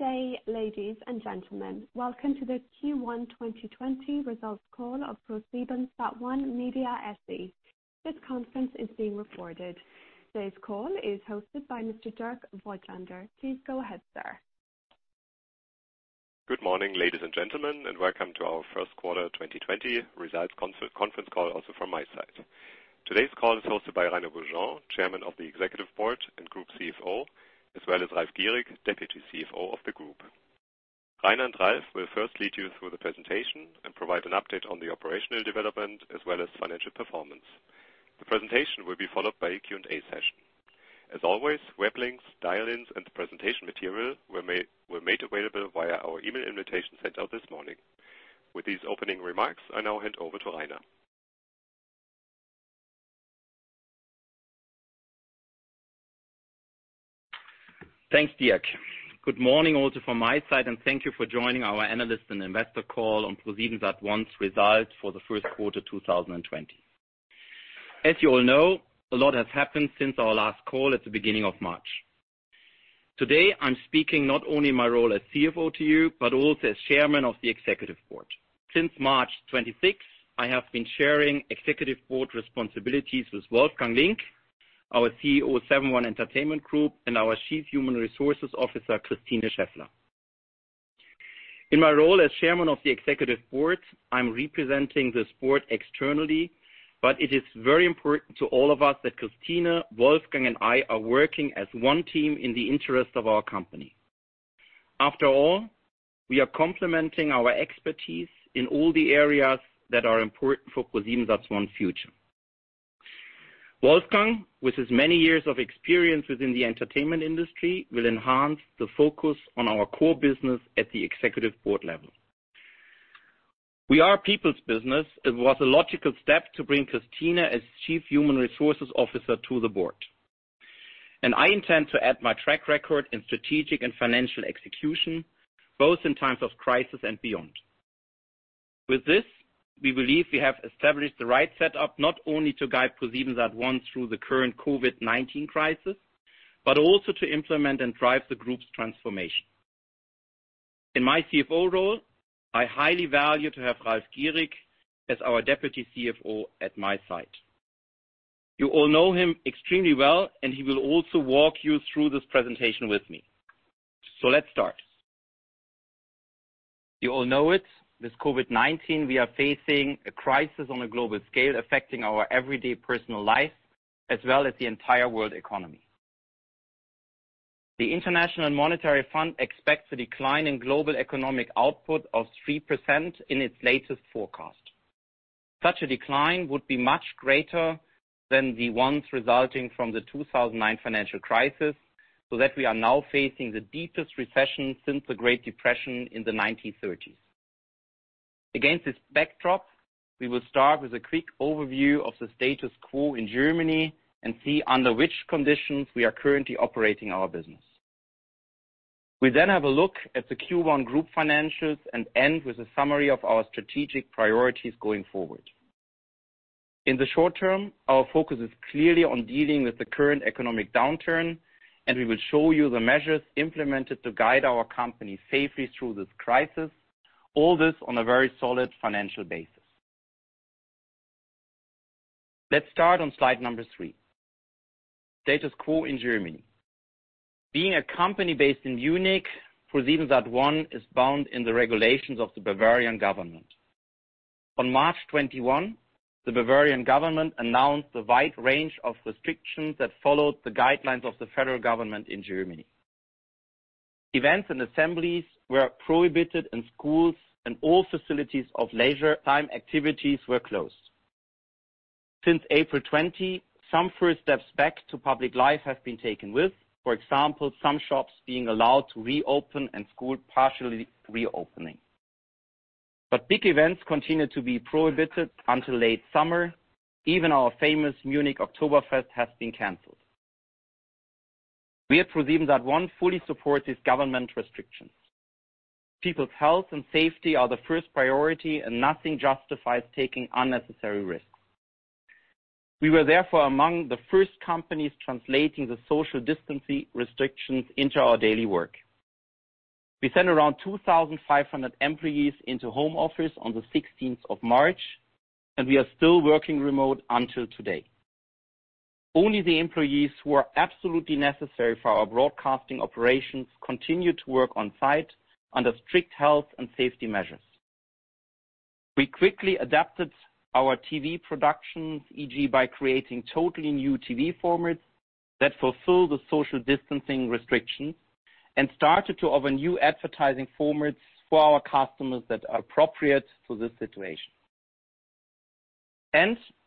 Good day, ladies and gentlemen. Welcome to the Q1 2020 results call of ProSiebenSat.1 Media SE. This conference is being recorded. Today's call is hosted by Mr. Dirk Voigtländer. Please go ahead, sir. Good morning, ladies and gentlemen, and welcome to our first quarter 2020 results conference call, also from my side. Today's call is hosted by Rainer Beaujean, Chairman of the Executive Board and Group CFO, as well as Ralf Gierig, Deputy CFO of the Group. Rainer and Ralf will first lead you through the presentation and provide an update on the operational development as well as financial performance. The presentation will be followed by a Q&A session. As always, web links, dial-ins, and presentation material were made available via our email invitation sent out this morning. With these opening remarks, I now hand over to Rainer. Thanks, Dirk. Good morning also from my side, and thank you for joining our analyst and investor call on ProSiebenSat.1's results for the first quarter 2020. As you all know, a lot has happened since our last call at the beginning of March. Today, I'm speaking not only in my role as CFO to you, but also as Chairman of the Executive Board. Since March 26, I have been sharing Executive Board responsibilities with Wolfgang Link, our CEO Seven.One Entertainment Group, and our Chief Human Resources Officer, Christine Scheffler. In my role as Chairman of the Executive Board, I'm representing this Board externally, but it is very important to all of us that Christine, Wolfgang, and I are working as one team in the interest of our company. After all, we are complementing our expertise in all the areas that are important for ProSiebenSat.1's future. Wolfgang, with his many years of experience within the entertainment industry, will enhance the focus on our core business at the Executive Board level. We are a people's business. It was a logical step to bring Christine as Chief Human Resources Officer to the Board. I intend to add my track record in strategic and financial execution, both in times of crisis and beyond. With this, we believe we have established the right setup, not only to guide ProSiebenSat.1 through the current COVID-19 crisis, but also to implement and drive the group's transformation. In my CFO role, I highly value to have Ralf Gierig as our Deputy CFO at my side. You all know him extremely well, and he will also walk you through this presentation with me. Let's start. You all know it, this COVID-19, we are facing a crisis on a global scale affecting our everyday personal life as well as the entire world economy. The International Monetary Fund expects a decline in global economic output of 3% in its latest forecast. Such a decline would be much greater than the ones resulting from the 2009 financial crisis, so that we are now facing the deepest recession since the Great Depression in the 1930s. Against this backdrop, we will start with a quick overview of the status quo in Germany and see under which conditions we are currently operating our business. We then have a look at the Q1 group financials and end with a summary of our strategic priorities going forward. In the short term, our focus is clearly on dealing with the current economic downturn, and we will show you the measures implemented to guide our company safely through this crisis, all this on a very solid financial basis. Let's start on slide number three. Status quo in Germany. Being a company based in Munich, ProSiebenSat.1 is bound in the regulations of the Bavarian government. On March 21, the Bavarian government announced a wide range of restrictions that followed the guidelines of the federal government in Germany. Events and assemblies were prohibited, and schools and all facilities of leisure time activities were closed. Since April 20, some first steps back to public life have been taken with, for example, some shops being allowed to reopen and school partially reopening. Big events continue to be prohibited until late summer. Even our famous Munich Oktoberfest has been canceled. We at ProSiebenSat.1 fully support these government restrictions. People's health and safety are the first priority. Nothing justifies taking unnecessary risks. We were therefore among the first companies translating the social distancing restrictions into our daily work. We sent around 2,500 employees into home office on the 16th of March. We are still working remote until today. Only the employees who are absolutely necessary for our broadcasting operations continue to work on-site under strict health and safety measures. We quickly adapted our TV productions, e.g., by creating totally new TV formats that fulfill the social distancing restrictions and started to offer new advertising formats for our customers that are appropriate for this situation.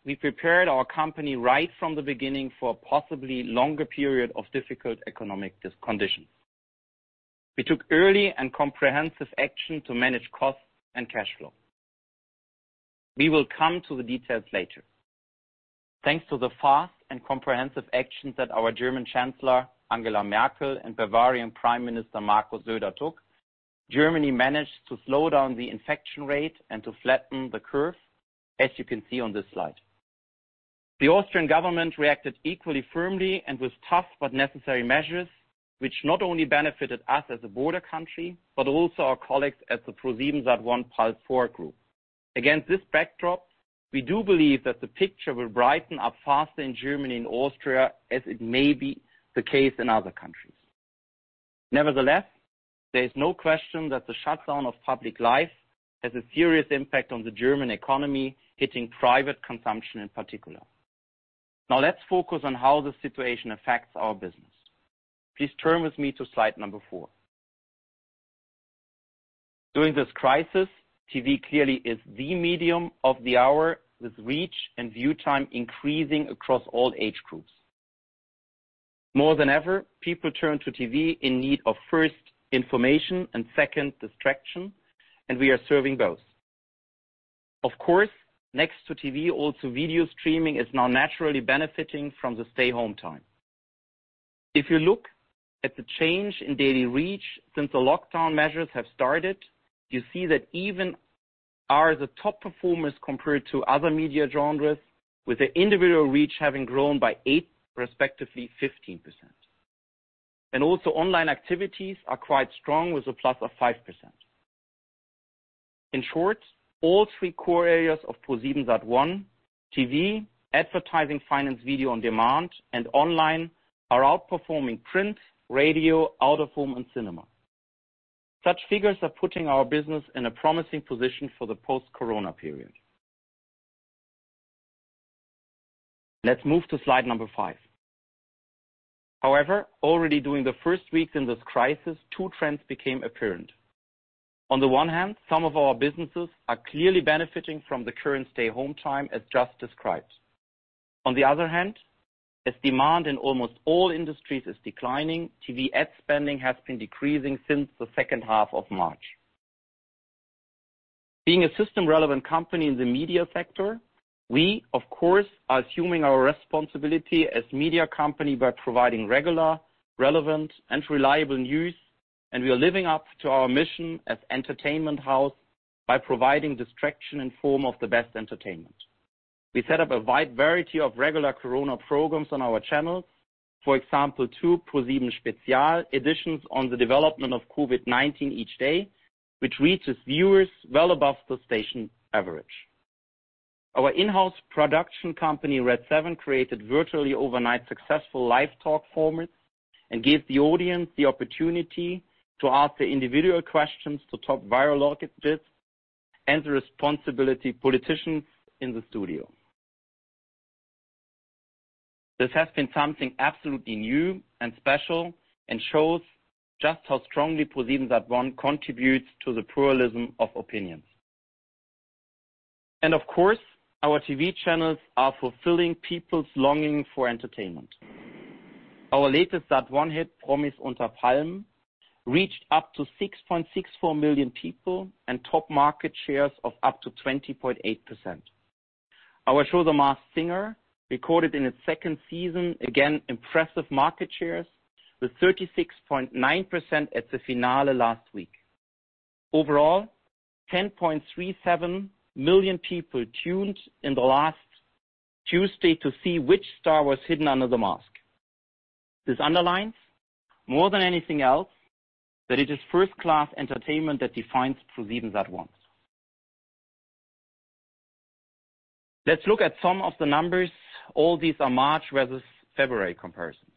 We prepared our company right from the beginning for a possibly longer period of difficult economic conditions. We took early and comprehensive action to manage costs and cash flow. We will come to the details later. Thanks to the fast and comprehensive actions that our German Chancellor, Angela Merkel, and Bavarian Prime Minister, Markus Söder, took, Germany managed to slow down the infection rate and to flatten the curve, as you can see on this slide. The Austrian government reacted equally firmly and with tough but necessary measures, which not only benefited us as a border country, but also our colleagues at the ProSiebenSat.1 PULS 4 group. Against this backdrop, we do believe that the picture will brighten up faster in Germany and Austria as it may be the case in other countries. Nevertheless, there is no question that the shutdown of public life has a serious impact on the German economy, hitting private consumption in particular. Now, let's focus on how the situation affects our business. Please turn with me to slide number four. During this crisis, TV clearly is the medium of the hour, with reach and view time increasing across all age groups. More than ever, people turn to TV in need of, first, information, and second, distraction, and we are serving both. Of course, next to TV, also video streaming is now naturally benefiting from the stay home time. If you look at the change in daily reach since the lockdown measures have started, you see that even ours are the top performers compared to other media genres, with the individual reach having grown by 8%, respectively 15%. Also online activities are quite strong, with a plus of 5%. In short, all three core areas of ProSiebenSat.1, TV, advertising, finance, video on demand, and online, are outperforming print, radio, out-of-home, and cinema. Such figures are putting our business in a promising position for the post-corona period. Let's move to slide number five. However, already during the first weeks in this crisis, two trends became apparent. On the one hand, some of our businesses are clearly benefiting from the current stay home time as just described. On the other hand, as demand in almost all industries is declining, TV ad spending has been decreasing since the second half of March. Being a system-relevant company in the media sector, we, of course, are assuming our responsibility as media company by providing regular, relevant, and reliable news, and we are living up to our mission as entertainment house by providing distraction in form of the best entertainment. We set up a wide variety of regular corona programs on our channels. For example, two ProSieben Spezial editions on the development of COVID-19 each day, which reaches viewers well above the station average. Our in-house production company, RedSeven, created virtually overnight successful live talk formats and gave the audience the opportunity to ask their individual questions to top virologists and responsible politicians in the studio. This has been something absolutely new and special and shows just how strongly ProSiebenSat.1 contributes to the pluralism of opinions. Of course, our TV channels are fulfilling people's longing for entertainment. Our latest Sat.1 hit, "Promis unter Palmen," reached up to 6.64 million people and top market shares of up to 20.8%. Our show, "The Masked Singer," recorded in its second season, again, impressive market shares, with 36.9% at the finale last week. Overall, 10.37 million people tuned in the last Tuesday to see which star was hidden under the mask. This underlines, more than anything else, that it is first-class entertainment that defines ProSiebenSat.1. Let's look at some of the numbers. All these are March versus February comparisons.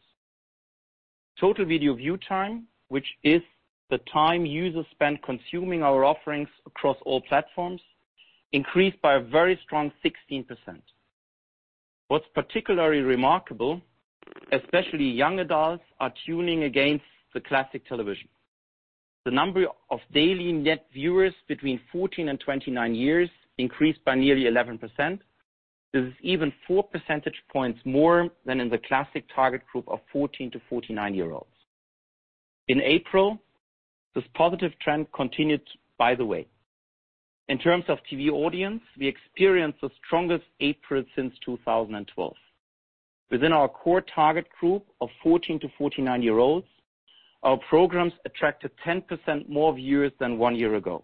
Total video view time, which is the time users spend consuming our offerings across all platforms, increased by a very strong 16%. What's particularly remarkable, especially young adults are tuning into the classic television. The number of daily net viewers between 14 and 29 years increased by nearly 11%. This is even 4 percentage points more than in the classic target group of 14 to 49-year-olds. In April, this positive trend continued, by the way. In terms of TV audience, we experienced the strongest April since 2012. Within our core target group of 14 to 49-year-olds, our programs attracted 10% more viewers than one year ago.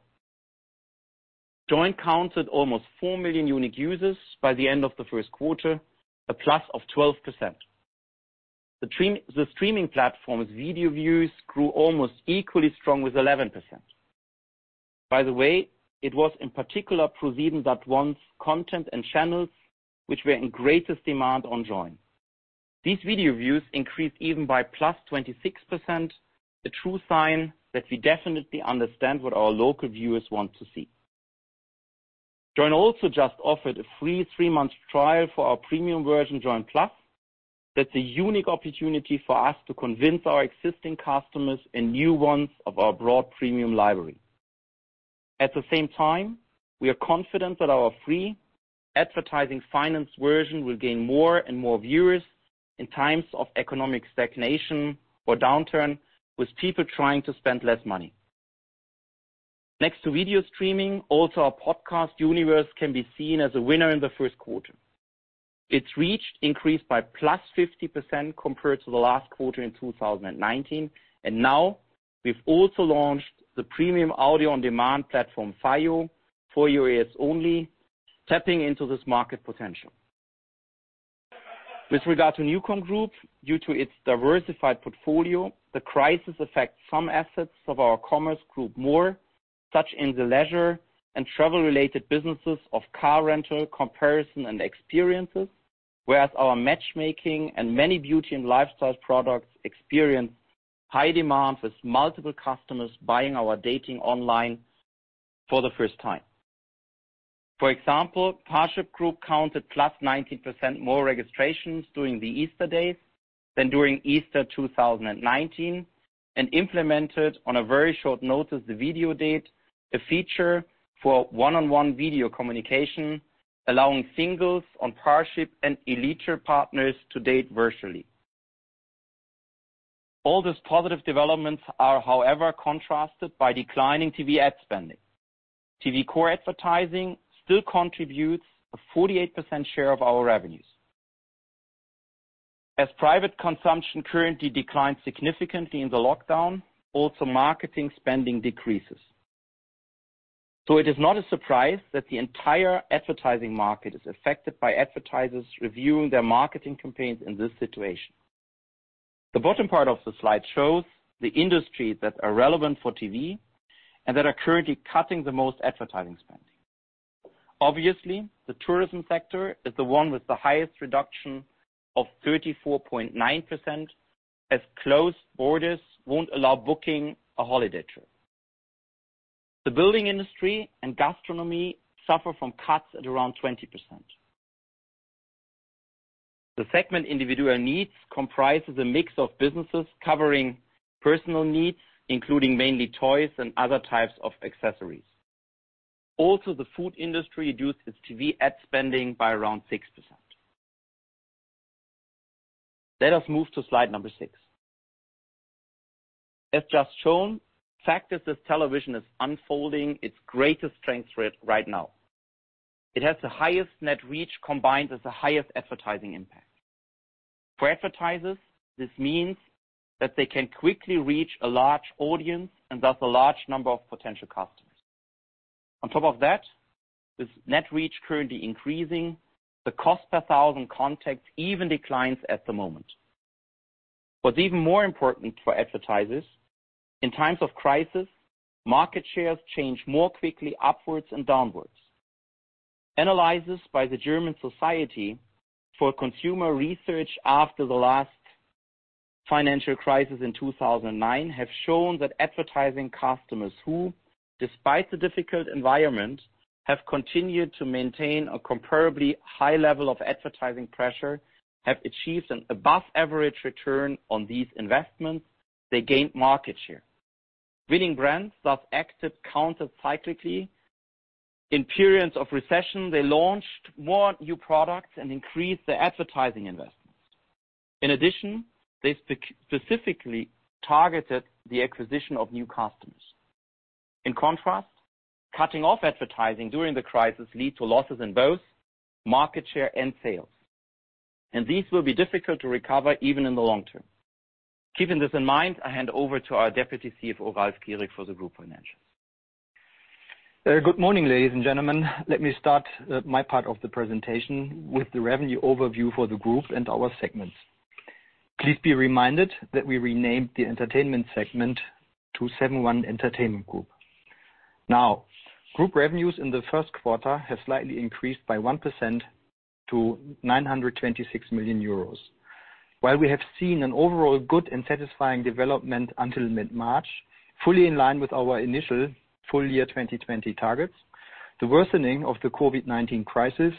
Joyn counted almost four million unique users by the end of the first quarter, a plus of 12%. The streaming platform's video views grew almost equally strong with 11%. By the way, it was in particular ProSiebenSat.1's content and channels which were in greatest demand on Joyn. These video views increased even by + 26%, a true sign that we definitely understand what our local viewers want to see. Joyn also just offered a free three-month trial for our premium version, Joyn PLUS+. That's a unique opportunity for us to convince our existing customers and new ones of our broad premium library. At the same time, we are confident that our free advertising finance version will gain more and more viewers in times of economic stagnation or downturn, with people trying to spend less money. Next to video streaming, also our podcast universe can be seen as a winner in the first quarter. Its reach increased by +50% compared to the last quarter in 2019. Now we've also launched the premium audio on-demand platform FYEO (For Your Ears Only), tapping into this market potential. With regard to NuCom Group, due to its diversified portfolio, the crisis affects some assets of our commerce group more, such in the leisure and travel-related businesses of car rental comparison and experiences, whereas our matchmaking and many beauty and lifestyle products experience high demand with multiple customers buying our dating online for the first time. For example, Parship Group counted +19% more registrations during the Easter days than during Easter 2019 and implemented, on a very short notice, the Video Date, a feature for one-on-one video communication, allowing singles on Parship and ElitePartner to date virtually. All these positive developments are, however, contrasted by declining TV ad spending. Private consumption currently declines significantly in the lockdown, also marketing spending decreases. It is not a surprise that the entire advertising market is affected by advertisers reviewing their marketing campaigns in this situation. The bottom part of the slide shows the industries that are relevant for TV and that are currently cutting the most advertising spending. Obviously, the tourism sector is the one with the highest reduction of 34.9%, as closed borders won't allow booking a holiday trip. The building industry and gastronomy suffer from cuts at around 20%. The segment individual needs comprises a mix of businesses covering personal needs, including mainly toys and other types of accessories. The food industry reduced its TV ad spending by around 6%. Let us move to slide number six. As just shown, the fact is this television is unfolding its greatest strength right now. It has the highest net reach combined with the highest advertising impact. For advertisers, this means that they can quickly reach a large audience and thus a large number of potential customers. On top of that, with net reach currently increasing, the cost per thousand contacts even declines at the moment. What is even more important for advertisers, in times of crisis, market shares change more quickly upwards and downwards. Analyses by the German Society for Consumer Research after the last financial crisis in 2009 have shown that advertising customers who, despite the difficult environment, have continued to maintain a comparably high level of advertising pressure, have achieved an above-average return on these investments. They gained market share. Winning brands thus acted countercyclically. In periods of recession, they launched more new products and increased their advertising investments. In addition, they specifically targeted the acquisition of new customers. In contrast, cutting off advertising during the crisis led to losses in both market share and sales. These will be difficult to recover even in the long term. Keeping this in mind, I hand over to our Deputy CFO, Ralf Gierig, for the group financials. Good morning, ladies and gentlemen. Let me start my part of the presentation with the revenue overview for the Group and our segments. Please be reminded that we renamed the entertainment segment to Seven.One Entertainment Group. Group revenues in the first quarter have slightly increased by 1% to 926 million euros. While we have seen an overall good and satisfying development until mid-March, fully in line with our initial full-year 2020 targets, the worsening of the COVID-19 crisis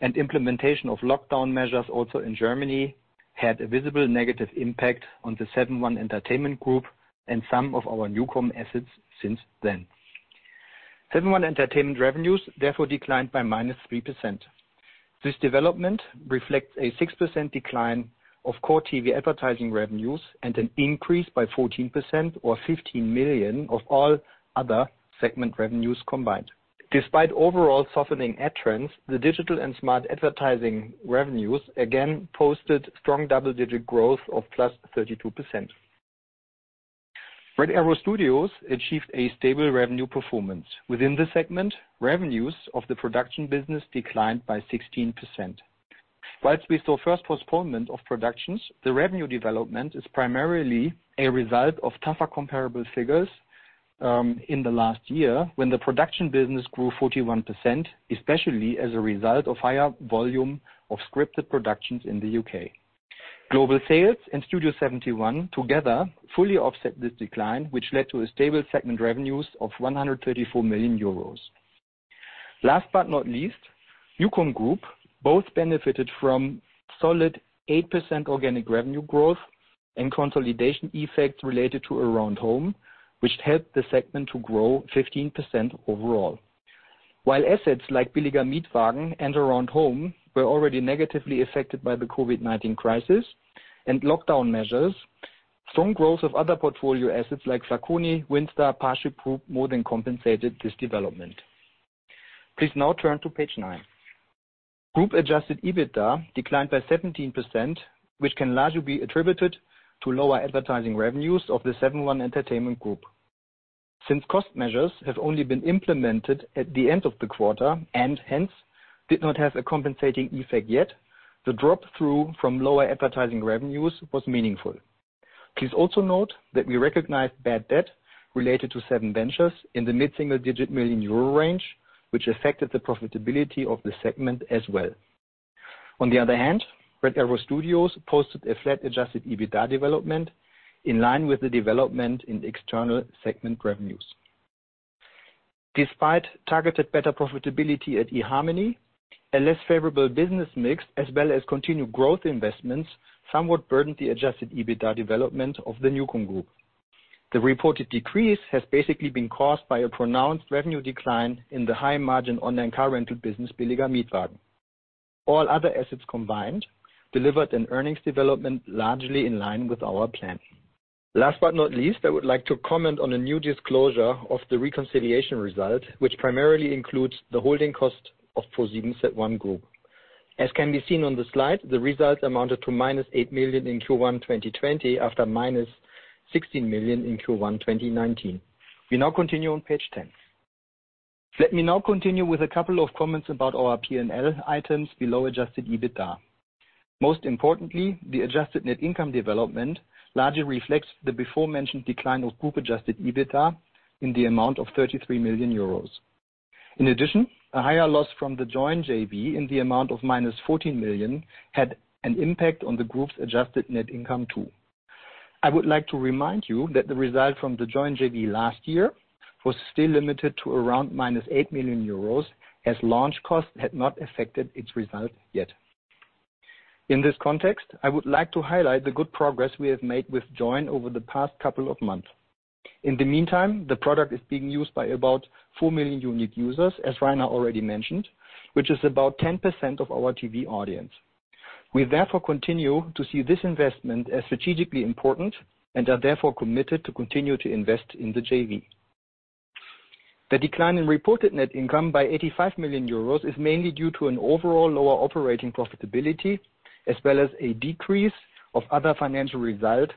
and implementation of lockdown measures also in Germany had a visible negative impact on the Seven.One Entertainment Group and some of our NuCom assets since then. Seven.One Entertainment revenues, therefore, declined by -3%. This development reflects a 6% decline of core TV advertising revenues and an increase by 14%, or 15 million, of all other segment revenues combined. Despite overall softening ad trends, the digital and smart advertising revenues again posted strong double-digit growth of +32%. Red Arrow Studios achieved a stable revenue performance. Within this segment, revenues of the production business declined by 16%. Whilst we saw first postponement of productions, the revenue development is primarily a result of tougher comparable figures in the last year, when the production business grew 41%, especially as a result of higher volume of scripted productions in the U.K. Global Sales and Studio71 together fully offset this decline, which led to a stable segment revenues of 134 million euros. Last but not least, NuCom Group both benefited from solid 8% organic revenue growth and consolidation effects related to Aroundhome, which helped the segment to grow 15% overall. While assets like Billiger Mietwagen and Aroundhome were already negatively affected by the COVID-19 crisis and lockdown measures, strong growth of other portfolio assets like Flaconi, WindStar, Parship Group more than compensated this development. Please now turn to page nine. Group adjusted EBITDA declined by 17%, which can largely be attributed to lower advertising revenues of the Seven.One Entertainment Group. Since cost measures have only been implemented at the end of the quarter, and hence, did not have a compensating effect yet, the drop through from lower advertising revenues was meaningful. Please also note that we recognized bad debt related to SevenVentures in the mid-single digit million EUR range, which affected the profitability of the segment as well. On the other hand, Red Arrow Studios posted a flat adjusted EBITDA development in line with the development in external segment revenues. Despite targeted better profitability at eharmony, a less favorable business mix, as well as continued growth investments, somewhat burdened the adjusted EBITDA development of the NuCom Group. The reported decrease has basically been caused by a pronounced revenue decline in the high margin online car rental business, billiger-mietwagen.de. All other assets combined delivered an earnings development largely in line with our plan. Last but not least, I would like to comment on a new disclosure of the reconciliation result, which primarily includes the holding cost of ProSiebenSat.1 Group. As can be seen on the slide, the results amounted to -8 million in Q1 2020 after -16 million in Q1 2019. We now continue on page 10. Let me now continue with a couple of comments about our P&L items below adjusted EBITDA. Most importantly, the adjusted net income development largely reflects the beforementioned decline of group adjusted EBITDA in the amount of 33 million euros. In addition, a higher loss from the Joyn JV in the amount of -14 million had an impact on the group's adjusted net income, too. I would like to remind you that the result from the Joyn JV last year was still limited to around -8 million euros as launch costs had not affected its result yet. In this context, I would like to highlight the good progress we have made with Joyn over the past couple of months. In the meantime, the product is being used by about 4 million unique users, as Rainer already mentioned, which is about 10% of our TV audience. Therefore, we continue to see this investment as strategically important and are therefore committed to continue to invest in the JV. The decline in reported net income by 85 million euros is mainly due to an overall lower operating profitability, as well as a decrease of other financial result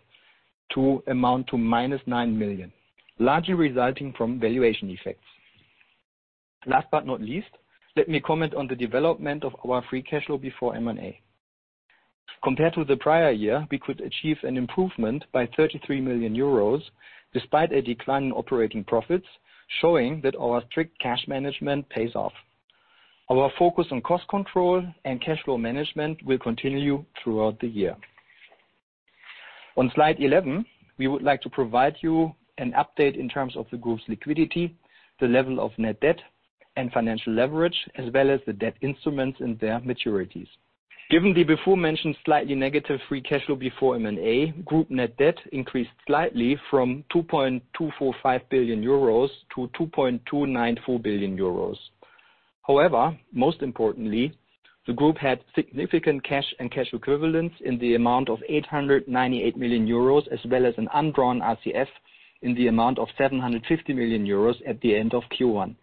to amount to -9 million, largely resulting from valuation effects. Last but not least, let me comment on the development of our free cash flow before M&A. Compared to the prior year, we could achieve an improvement by 33 million euros despite a decline in operating profits, showing that our strict cash management pays off. Our focus on cost control and cash flow management will continue throughout the year. On slide 11, we would like to provide you an update in terms of the group's liquidity, the level of net debt and financial leverage, as well as the debt instruments and their maturities. Given the beforementioned slightly negative free cash flow before M&A, group net debt increased slightly from 2.245 billion euros to 2.294 billion euros. However, most importantly, the group had significant cash and cash equivalents in the amount of 898 million euros, as well as an undrawn RCF in the amount of 750 million euros at the end of Q1.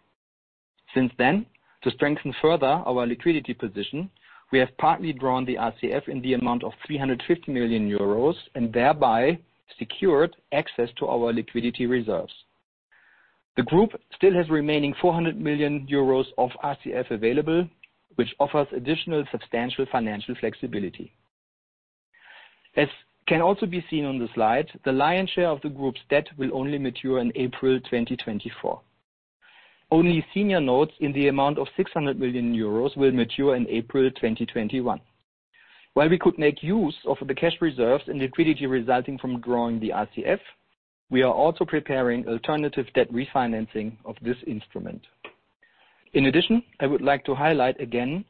Since then, to strengthen further our liquidity position, we have partly drawn the RCF in the amount of 350 million euros and thereby secured access to our liquidity reserves. The Group still has remaining 400 million euros of RCF available, which offers additional substantial financial flexibility. As can also be seen on the slide, the lion's share of the group's debt will only mature in April 2024. Only senior notes in the amount of 600 million euros will mature in April 2021. While we could make use of the cash reserves and liquidity resulting from growing the RCF, we are also preparing alternative debt refinancing of this instrument. In addition, I would like to highlight again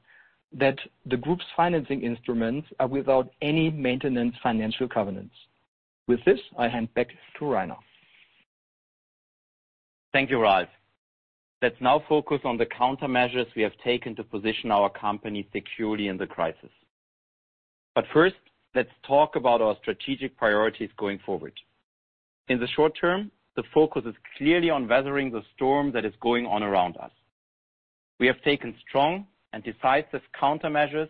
that the group's financing instruments are without any maintenance financial covenants. With this, I hand back to Rainer. Thank you, Ralf. Let's now focus on the countermeasures we have taken to position our company securely in the crisis. First, let's talk about our strategic priorities going forward. In the short term, the focus is clearly on weathering the storm that is going on around us. We have taken strong and decisive countermeasures,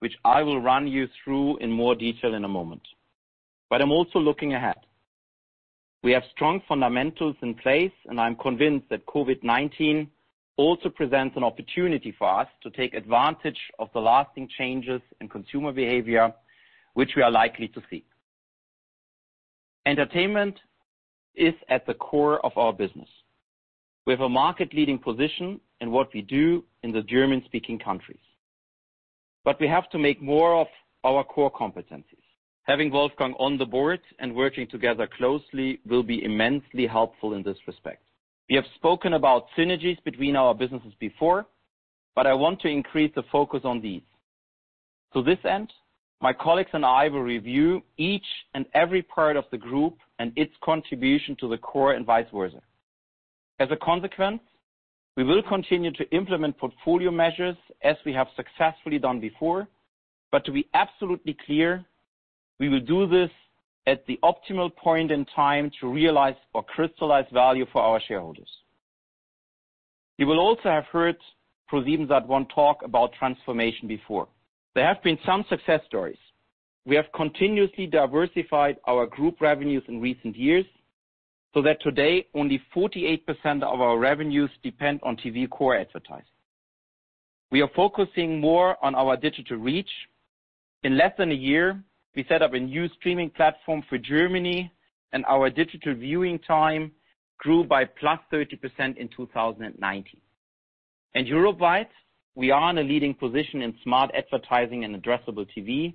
which I will run you through in more detail in a moment. I'm also looking ahead. We have strong fundamentals in place, and I'm convinced that COVID-19 also presents an opportunity for us to take advantage of the lasting changes in consumer behavior, which we are likely to see. Entertainment is at the core of our business. We have a market-leading position in what we do in the German-speaking countries. We have to make more of our core competencies. Having Wolfgang on the Board and working together closely will be immensely helpful in this respect. We have spoken about synergies between our businesses before, but I want to increase the focus on these. To this end, my colleagues and I will review each and every part of the Group and its contribution to the core and vice versa. As a consequence, we will continue to implement portfolio measures as we have successfully done before. To be absolutely clear. We will do this at the optimal point in time to realize or crystallize value for our shareholders. You will also have heard ProSiebenSat.1 talk about transformation before. There have been some success stories. We have continuously diversified our group revenues in recent years, so that today, only 48% of our revenues depend on TV core advertising. We are focusing more on our digital reach. In less than a year, we set up a new streaming platform for Germany, and our digital viewing time grew by +30% in 2019. Europe-wide, we are in a leading position in smart advertising and addressable TV,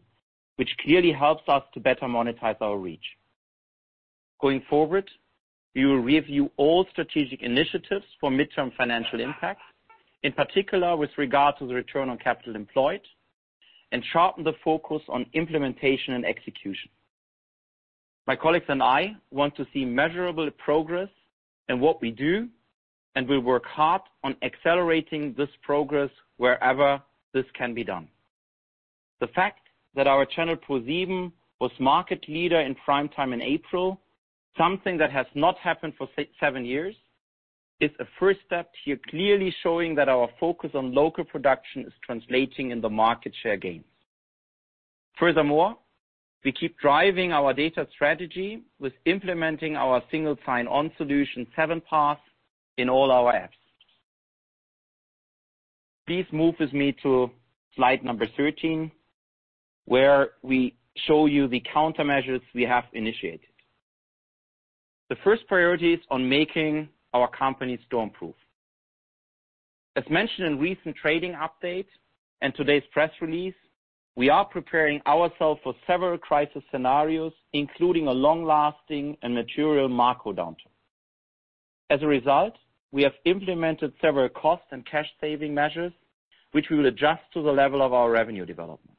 which clearly helps us to better monetize our reach. Going forward, we will review all strategic initiatives for midterm financial impact, in particular, with regard to the return on capital employed, and sharpen the focus on implementation and execution. My colleagues and I want to see measurable progress in what we do, and we work hard on accelerating this progress wherever this can be done. The fact that our channel, ProSieben, was market leader in prime time in April, something that has not happened for seven years, is a first step here, clearly showing that our focus on local production is translating in the market share gains. Furthermore, we keep driving our data strategy with implementing our single sign-on solution, 7Pass, in all our apps. Please move with me to slide number 13, where we show you the countermeasures we have initiated. The first priority is on making our company storm-proof. As mentioned in recent trading updates and today's press release, we are preparing ourselves for several crisis scenarios, including a long-lasting and material macro downturn. As a result, we have implemented several cost and cash saving measures, which we will adjust to the level of our revenue development.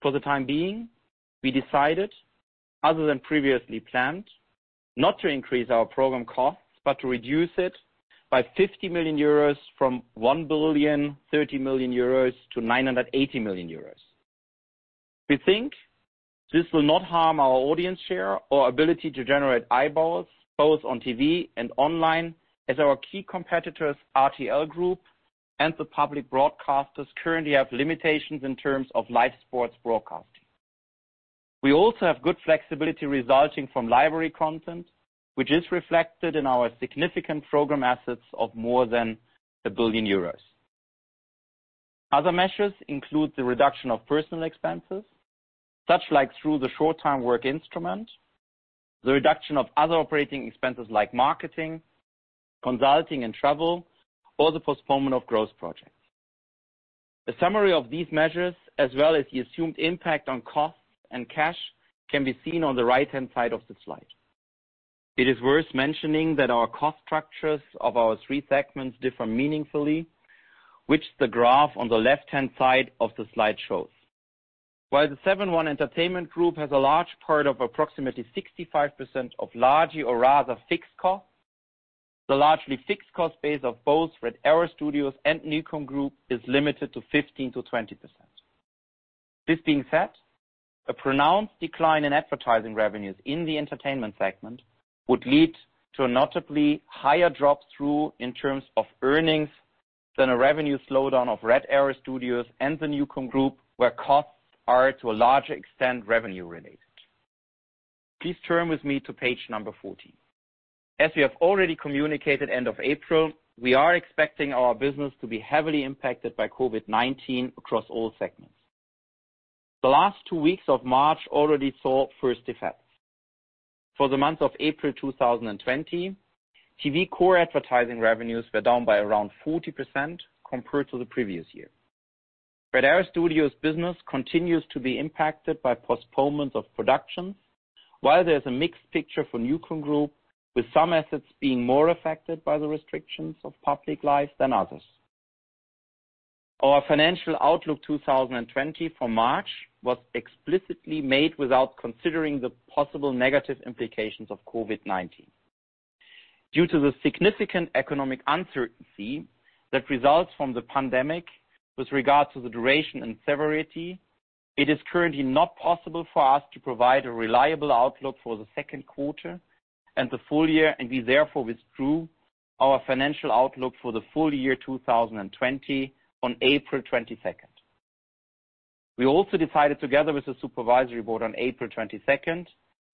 For the time being, we decided, other than previously planned, not to increase our program costs, but to reduce it by 50 million euros from 1.03 billion to 980 million euros. We think this will not harm our audience share or ability to generate eyeballs, both on TV and online, as our key competitors, RTL Group and the public broadcasters, currently have limitations in terms of live sports broadcasting. We also have good flexibility resulting from library content, which is reflected in our significant program assets of more than 1 billion euros. Other measures include the reduction of personal expenses, such like through the short-time work instrument, the reduction of other operating expenses like marketing, consulting, and travel, or the postponement of growth projects. A summary of these measures, as well as the assumed impact on costs and cash, can be seen on the right-hand side of the slide. It is worth mentioning that our cost structures of our three segments differ meaningfully, which the graph on the left-hand side of the slide shows. While the Seven.One Entertainment Group has a large part of approximately 65% of largely or rather fixed cost, the largely fixed cost base of both Red Arrow Studios and NuCom Group is limited to 15%-20%. This being said, a pronounced decline in advertising revenues in the entertainment segment would lead to a notably higher drop through in terms of earnings than a revenue slowdown of Red Arrow Studios and the NuCom Group, where costs are, to a large extent, revenue related. Please turn with me to page number 14. As we have already communicated end of April, we are expecting our business to be heavily impacted by COVID-19 across all segments. The last two weeks of March already saw first effects. For the month of April 2020, TV core advertising revenues were down by around 40% compared to the previous year. Red Arrow Studios' business continues to be impacted by postponement of productions, while there's a mixed picture for NuCom Group, with some assets being more affected by the restrictions of public life than others. Our financial outlook 2020 for March was explicitly made without considering the possible negative implications of COVID-19. Due to the significant economic uncertainty that results from the pandemic with regard to the duration and severity, it is currently not possible for us to provide a reliable outlook for the second quarter and the full year. We, therefore, withdrew our financial outlook for the full year 2020 on April 22nd. We also decided together with the supervisory board on April 22nd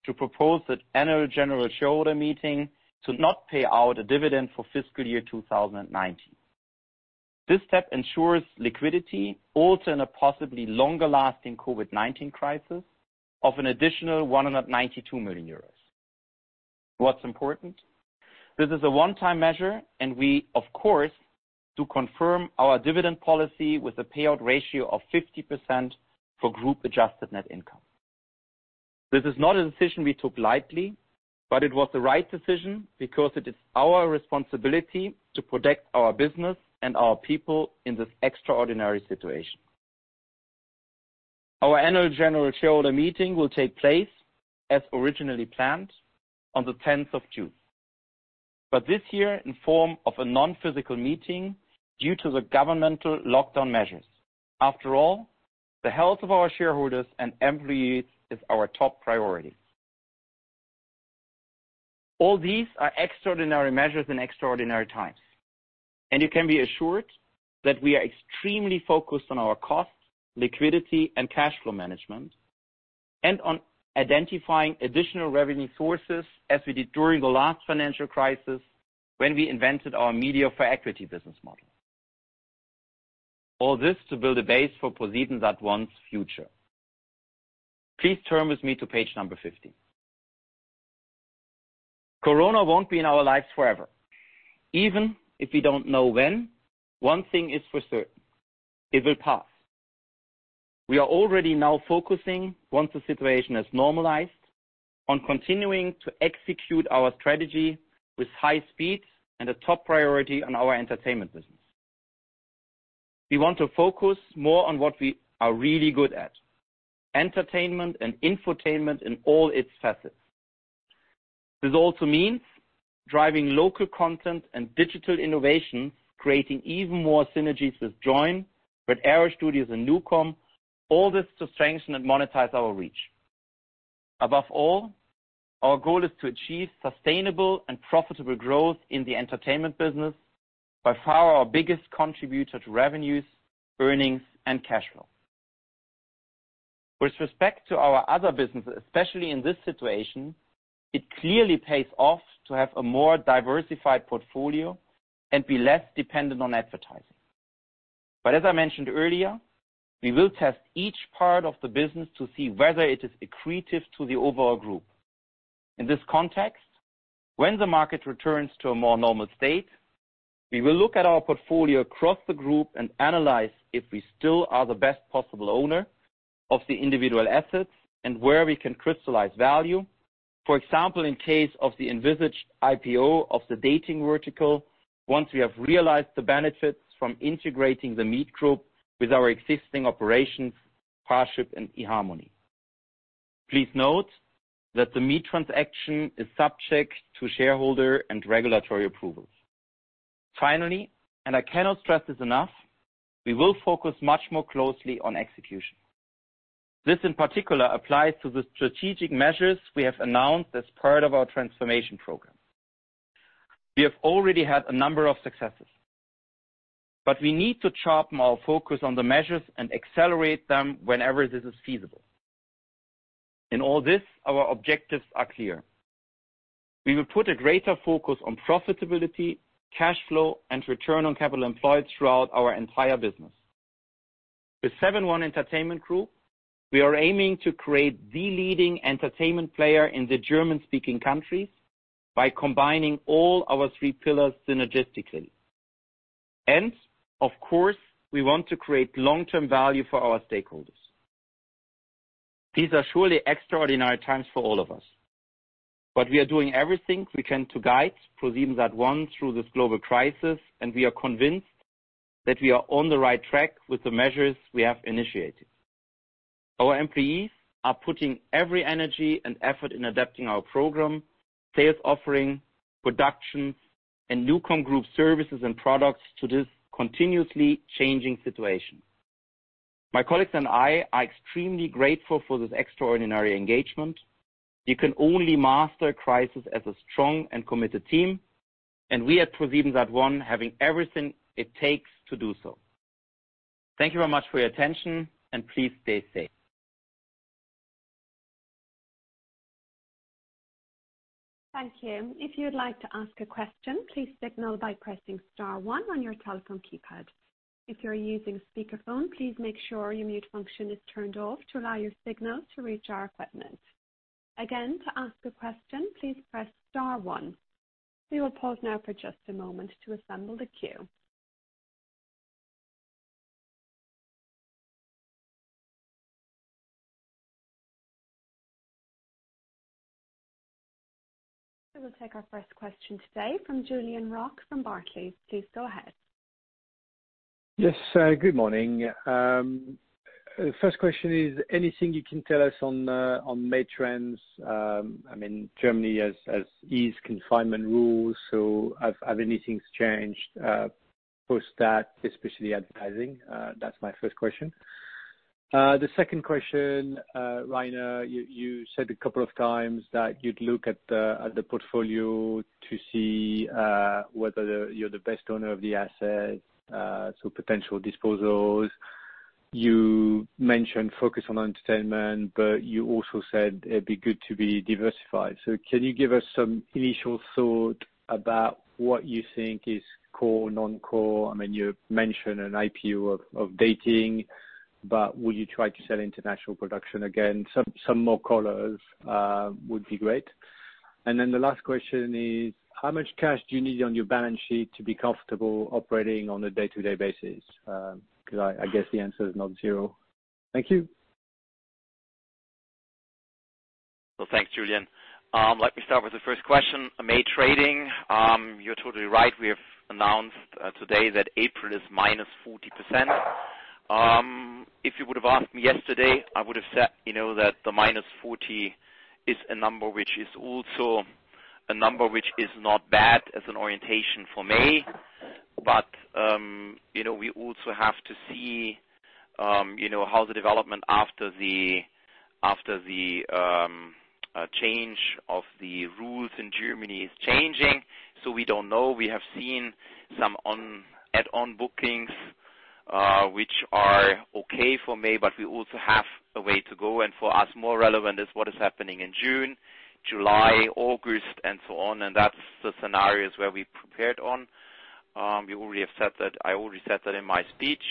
to propose that annual general shareholder meeting to not pay out a dividend for fiscal year 2019. This step ensures liquidity, also in a possibly longer-lasting COVID-19 crisis, of an additional 192 million euros. What's important, this is a one-time measure, and we, of course, do confirm our dividend policy with a payout ratio of 50% for group-adjusted net income. This is not a decision we took lightly, but it was the right decision because it is our responsibility to protect our business and our people in this extraordinary situation. Our Annual General Shareholder Meeting will take place as originally planned on the 10th of June. This year, in form of a non-physical meeting due to the governmental lockdown measures. After all, the health of our shareholders and employees is our top priority. All these are extraordinary measures in extraordinary times, and you can be assured that we are extremely focused on our cost, liquidity, and cash flow management, and on identifying additional revenue sources as we did during the last financial crisis, when we invented our media for equity business model. All this to build a base for ProSiebenSat.1's future. Please turn with me to page number 15. Corona won't be in our lives forever. Even if we don't know when, one thing is for certain, it will pass. We are already now focusing, once the situation has normalized, on continuing to execute our strategy with high speed and a top priority on our entertainment business. We want to focus more on what we are really good at, entertainment and infotainment in all its facets. This also means driving local content and digital innovation, creating even more synergies with Joyn, with Arrow Studios and NuCom, all this to strengthen and monetize our reach. Above all, our goal is to achieve sustainable and profitable growth in the entertainment business, by far our biggest contributor to revenues, earnings, and cash flow. With respect to our other businesses, especially in this situation, it clearly pays off to have a more diversified portfolio and be less dependent on advertising. As I mentioned earlier, we will test each part of the business to see whether it is accretive to the overall group. In this context, when the market returns to a more normal state, we will look at our portfolio across the group and analyze if we still are the best possible owner of the individual assets and where we can crystallize value. For example, in case of the envisaged IPO of the dating vertical, once we have realized the benefits from integrating The Meet Group with our existing operations, Parship and eharmony. Please note that the Meet transaction is subject to shareholder and regulatory approvals. I cannot stress this enough, we will focus much more closely on execution. This in particular applies to the strategic measures we have announced as part of our transformation program. We have already had a number of successes, but we need to sharpen our focus on the measures and accelerate them whenever this is feasible. In all this, our objectives are clear. We will put a greater focus on profitability, cash flow, and return on capital employed throughout our entire business. With Seven.One Entertainment Group, we are aiming to create the leading entertainment player in the German-speaking countries by combining all our three pillars synergistically. Of course, we want to create long-term value for our stakeholders. These are surely extraordinary times for all of us, but we are doing everything we can to guide ProSiebenSat.1 through this global crisis, and we are convinced that we are on the right track with the measures we have initiated. Our employees are putting every energy and effort in adapting our program, sales offering, production, and NuCom Group services and products to this continuously changing situation. My colleagues and I are extremely grateful for this extraordinary engagement. You can only master crisis as a strong and committed team, and we at ProSiebenSat.1 having everything it takes to do so. Thank you very much for your attention, and please stay safe. Thank you. If you'd like to ask a question, please signal by pressing star one on your telephone keypad. If you're using speakerphone, please make sure your mute function is turned off to allow your signal to reach our equipment. Again, to ask a question, please press star one. We will pause now for just a moment to assemble the queue. We will take our first question today from Julien Roch from Barclays. Please go ahead. Good morning. First question is, anything you can tell us on May trends? Germany has eased confinement rules, have anything changed post that, especially advertising? That's my first question. The second question, Rainer, you said a couple of times that you'd look at the portfolio to see whether you're the best owner of the asset, potential disposals. You mentioned focus on entertainment, you also said it'd be good to be diversified. Can you give us some initial thought about what you think is core, non-core? You mentioned an IPO of dating, will you try to sell international production again? Some more colors would be great. The last question is, how much cash do you need on your balance sheet to be comfortable operating on a day-to-day basis? Because I guess the answer is not zero. Thank you. Well, thanks, Julien. Let me start with the first question. May trading. You're totally right. We have announced today that April is -40%. If you would have asked me yesterday, I would have said that the -40% is a number which is also a number which is not bad as an orientation for May. We also have to see how the development after the change of the rules in Germany is changing. We don't know. We have seen some add-on bookings, which are okay for May, but we also have a way to go. For us, more relevant is what is happening in June, July, August, and so on. That's the scenarios where we prepared on. I already said that in my speech.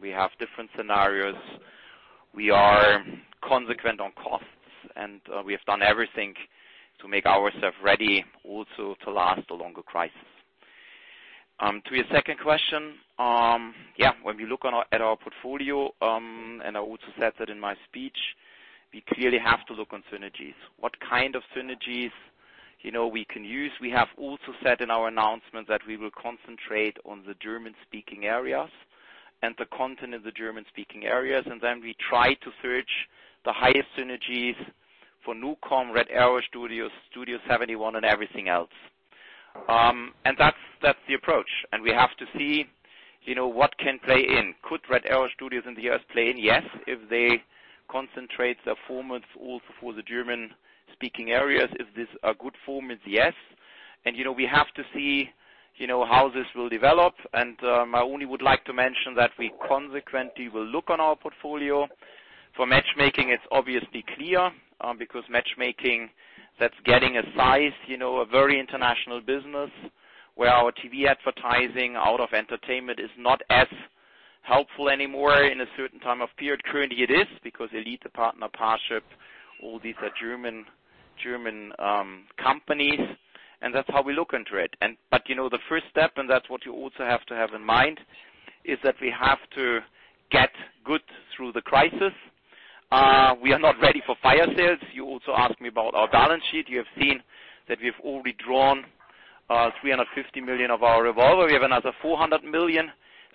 We have different scenarios. We are consequent on costs, and we have done everything to make ourselves ready also to last a longer crisis. To your second question, yeah, when we look at our portfolio, and I also said that in my speech, we clearly have to look on synergies. What kind of synergies we can use. We have also said in our announcement that we will concentrate on the German-speaking areas and the content of the German-speaking areas. Then we try to search the highest synergies for NuCom, Red Arrow Studios, Studio71, and everything else. That's the approach. We have to see what can play in. Could Red Arrow Studios in the U.S. play in? Yes, if they concentrate their formats also for the German-speaking areas. Is this a good format? Yes. We have to see how this will develop. I only would like to mention that we consequently will look on our portfolio. For matchmaking, it's obviously clear, because matchmaking, that's getting a size, a very international business, where our TV advertising out of entertainment is not as helpful anymore in a certain time of period. Currently it is, because ElitePartner, Parship, all these are German companies. That's how we look into it. The first step, and that's what you also have to have in mind, is that we have to get good through the crisis. We are not ready for fire sales. You also asked me about our balance sheet. You have seen that we've already drawn 350 million of our revolver. We have another 400 million.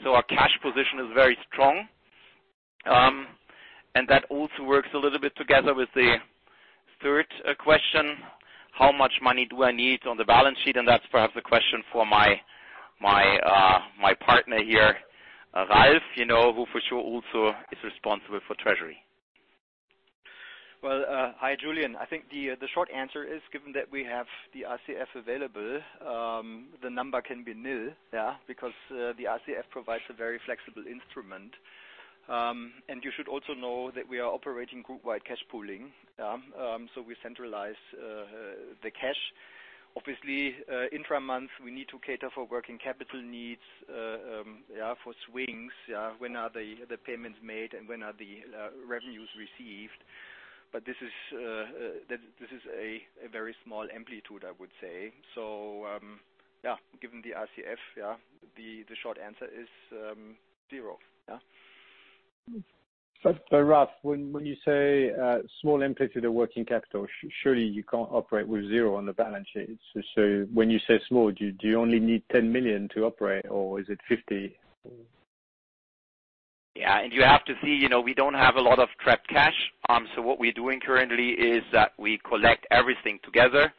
Our cash position is very strong. That also works a little bit together with the third question, how much money do I need on the balance sheet? That's perhaps a question for my partner here, Ralf, who for sure also is responsible for treasury. Well, hi, Julien. I think the short answer is, given that we have the RCF available, the number can be nil, because the RCF provides a very flexible instrument. You should also know that we are operating group-wide cash pooling. We centralize the cash. Obviously, intra-month, we need to cater for working capital needs, for swings. When are the payments made and when are the revenues received? This is a very small amplitude, I would say. Given the RCF, the short answer is zero. Ralf, when you say small amplitude of working capital, surely you can't operate with zero on the balance sheet. When you say small, do you only need 10 million to operate or is it 50 million? Yeah. You have to see we don't have a lot of trapped cash. What we're doing currently is that we collect everything together.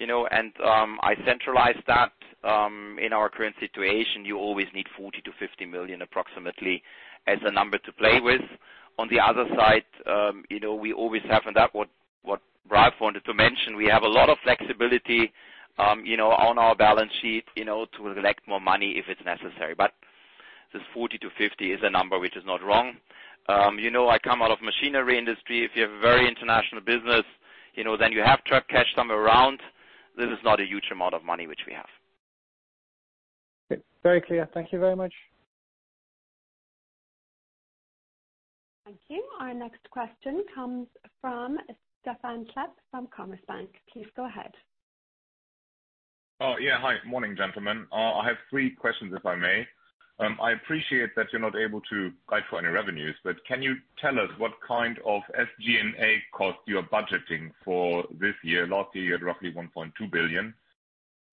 I centralized that. In our current situation, you always need 40 million-50 million approximately as a number to play with. On the other side, we always have, and that what Ralf wanted to mention, we have a lot of flexibility on our balance sheet to collect more money if it's necessary. This 40 million-50 million is a number which is not wrong. I come out of machinery industry. If you have a very international business, then you have trapped cash somewhere around. This is not a huge amount of money which we have. Okay. Very clear. Thank you very much. Thank you. Our next question comes from Stefan Klett from Commerzbank. Please go ahead. Yeah. Hi. Morning, gentlemen. I have three questions, if I may. I appreciate that you're not able to guide for any revenues. Can you tell us what kind of SG&A cost you are budgeting for this year? Last year, roughly 1.2 billion.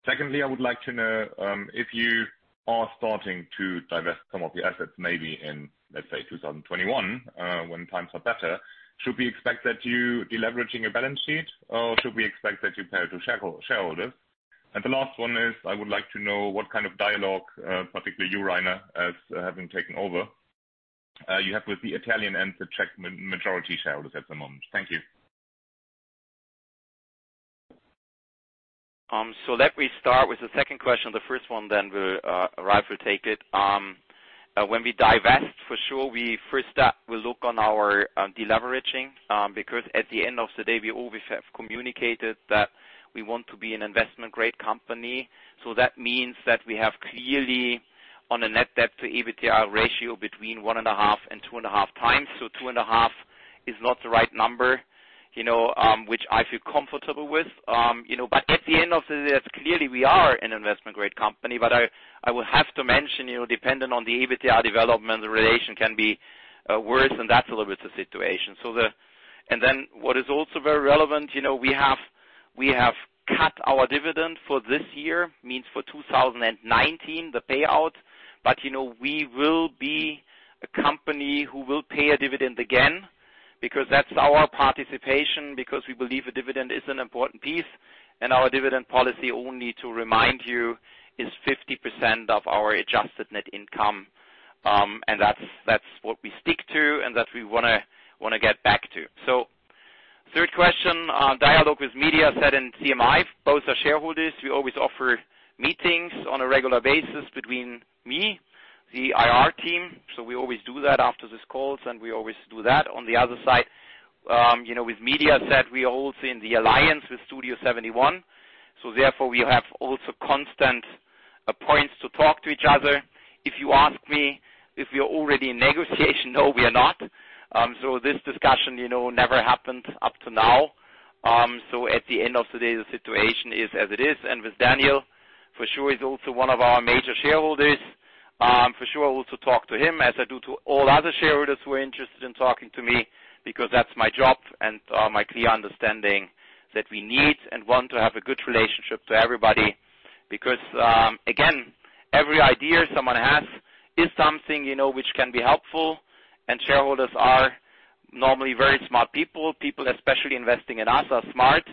Secondly, I would like to know if you are starting to divest some of your assets, maybe in, let's say, 2021, when times are better. Should we expect that you deleveraging your balance sheet or should we expect that you pay to shareholders? The last one is, I would like to know what kind of dialogue, particularly you, Rainer, as having taken over, you have with the Italian and the Czech majority shareholders at the moment. Thank you. Let me start with the second question, the first one Ralf will take it. When we divest, for sure, we first will look on our deleveraging, because at the end of the day, we always have communicated that we want to be an investment-grade company. That means that we have clearly on a net debt to EBITDA ratio between 1.5x and 2.5x. 2.5x is not the right number which I feel comfortable with. At the end of the day, clearly we are an investment-grade company. I will have to mention, dependent on the EBITDA development, the relation can be worse, and that's a little bit the situation. What is also very relevant, we have cut our dividend for this year, means for 2019, the payout. We will be a company who will pay a dividend again, because that's our participation, because we believe a dividend is an important piece, and our dividend policy, only to remind you, is 50% of our adjusted net income. That's what we stick to, and that we want to get back to. Third question, dialogue with Mediaset and CMI, both are shareholders. We always offer meetings on a regular basis between me, the IR team. We always do that after these calls, and we always do that. On the other side, with Mediaset, we are also in the alliance with Studio71, so therefore we have also constant points to talk to each other. If you ask me if we are already in negotiation, no, we are not. This discussion never happened up to now. At the end of the day, the situation is as it is. With Daniel, for sure, he's also one of our major shareholders. For sure I will also talk to him as I do to all other shareholders who are interested in talking to me, because that's my job and my clear understanding that we need and want to have a good relationship to everybody. Again, every idea someone has is something which can be helpful, and shareholders are normally very smart people. People, especially investing in us, are smart.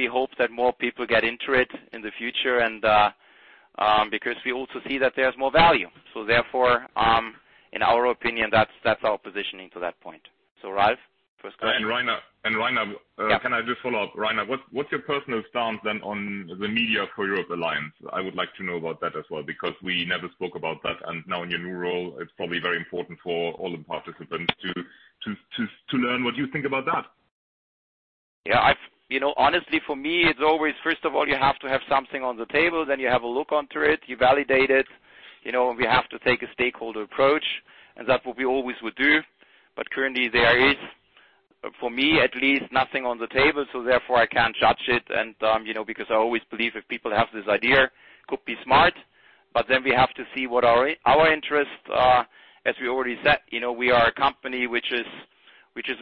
We hope that more people get into it in the future, and because we also see that there's more value. Therefore, in our opinion, that's our positioning to that point. Ralf, first question. Rainer, can I just follow up? Yeah. Rainer, what's your personal stance then on the MediaForEurope alliance? I would like to know about that as well, because we never spoke about that. Now in your new role, it's probably very important for all the participants to learn what you think about that. Yeah. Honestly, for me, it's always, first of all, you have to have something on the table, then you have a look onto it, you validate it. We have to take a stakeholder approach, and that's what we always would do. Currently there is, for me at least, nothing on the table, so therefore I can't judge it. Because I always believe if people have this idea, could be smart, but then we have to see what our interests are. As we already said, we are a company which is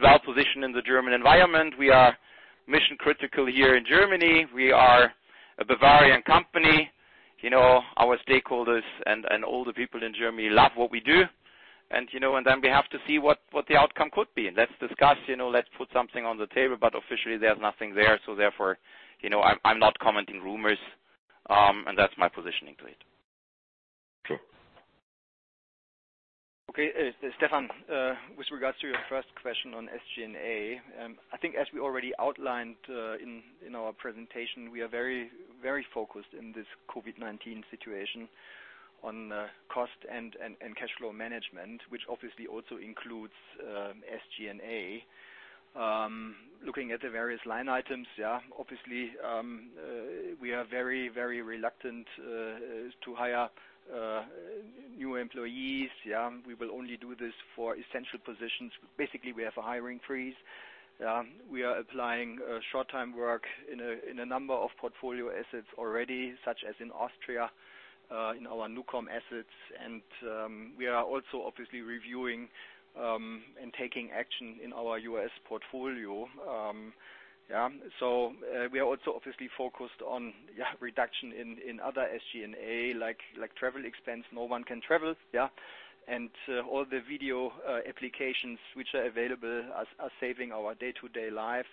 well-positioned in the German environment. We are mission-critical here in Germany. We are a Bavarian company. Our stakeholders and all the people in Germany love what we do. Then we have to see what the outcome could be, and let's discuss, let's put something on the table. Officially, there's nothing there. Therefore, I'm not commenting rumors. That's my positioning to it. Sure. Okay, Stefan, with regards to your first question on SG&A, I think as we already outlined in our presentation, we are very focused in this COVID-19 situation on cost and cash flow management, which obviously also includes SG&A. Looking at the various line items, yeah, obviously, we are very reluctant to hire new employees, yeah. We will only do this for essential positions. Basically, we have a hiring freeze. We are applying short-time work in a number of portfolio assets already, such as in Austria, in our NuCom assets. We are also obviously reviewing and taking action in our U.S. portfolio. Yeah. We are also obviously focused on, yeah, reduction in other SG&A, like travel expense. No one can travel, yeah. All the video applications which are available are saving our day-to-day life.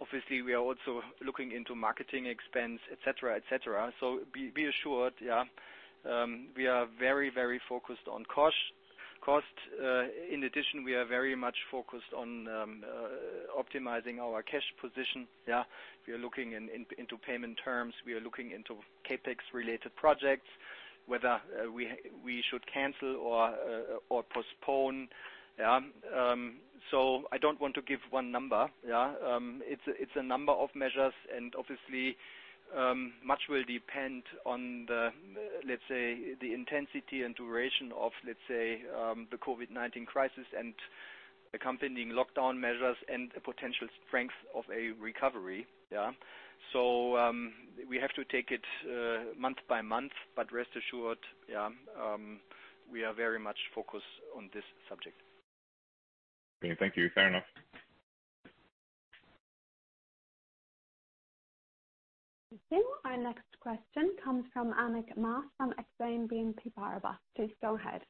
Obviously, we are also looking into marketing expense, et cetera. Be assured, yeah, we are very focused on cost. In addition, we are very much focused on optimizing our cash position, yeah. We are looking into payment terms. We are looking into CapEx-related projects, whether we should cancel or postpone, yeah. I don't want to give one number, yeah. It's a number of measures and obviously, much will depend on the, let's say, the intensity and duration of the COVID-19 crisis and accompanying lockdown measures and the potential strength of a recovery, yeah. We have to take it month by month, but rest assured, yeah, we are very much focused on this subject. Okay, thank you. Fair enough. Thank you. Our next question comes from Annick Maas from Exane BNP Paribas. Please go ahead.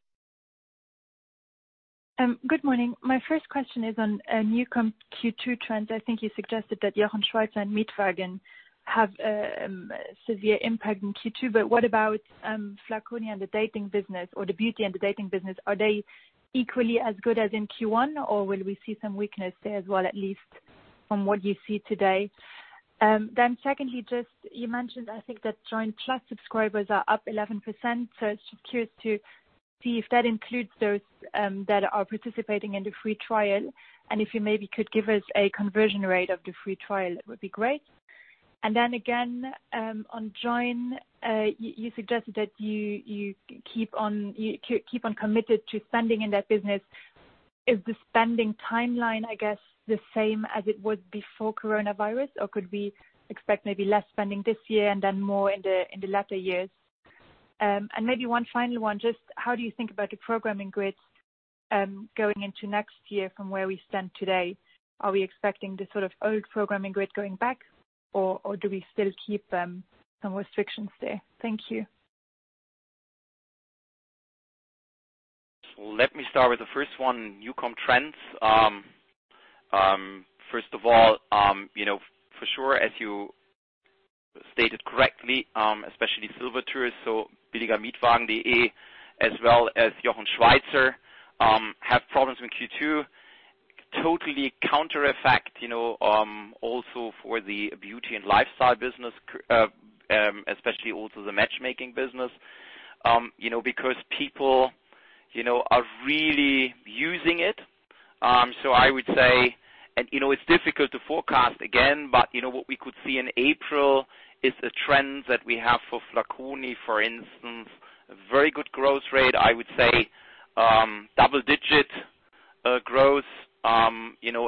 Good morning. My first question is on NuCom Q2 trends. I think you suggested that Jochen Schweizer and Mietwagen have a severe impact in Q2. What about Flaconi and the dating business, or the beauty and the dating business? Are they equally as good as in Q1, or will we see some weakness there as well, at least from what you see today? Secondly, just you mentioned, I think that Joyn PLUS+ subscribers are up 11%. Just curious to see if that includes those that are participating in the free trial, and if you maybe could give us a conversion rate of the free trial, it would be great. Again, on Joyn, you suggested that you keep on committed to spending in that business. Is the spending timeline, I guess, the same as it was before coronavirus, or could we expect maybe less spending this year and then more in the latter years? Maybe one final one, just how do you think about the programming grid going into next year from where we stand today? Are we expecting the old programming grid going back or do we still keep some restrictions there? Thank you. Let me start with the first one, NuCom trends. First of all, for sure, as you stated correctly, especially SilverTours, billiger-mietwagen.de as well as Jochen Schweizer, have problems in Q2. Totally counter effect, also for the beauty and lifestyle business, especially also the matchmaking business, because people are really using it. I would say, and it's difficult to forecast again, but what we could see in April is a trend that we have for Flaconi, for instance, a very good growth rate, I would say double-digit growth,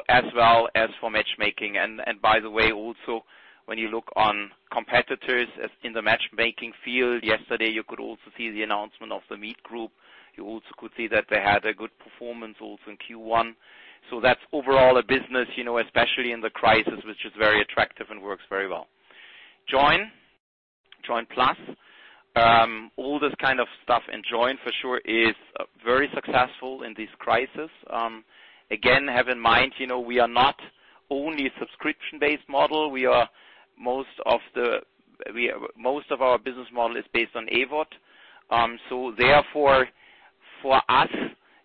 as well as for matchmaking. By the way, also when you look on competitors as in the matchmaking field yesterday, you could also see the announcement of The Meet Group. You also could see that they had a good performance also in Q1. That's overall a business, especially in the crisis, which is very attractive and works very well. Joyn PLUS+, all this kind of stuff in Joyn, for sure, is very successful in this crisis. Again, have in mind, we are not only a subscription-based model. Most of our business model is based on AVoD. Therefore for us,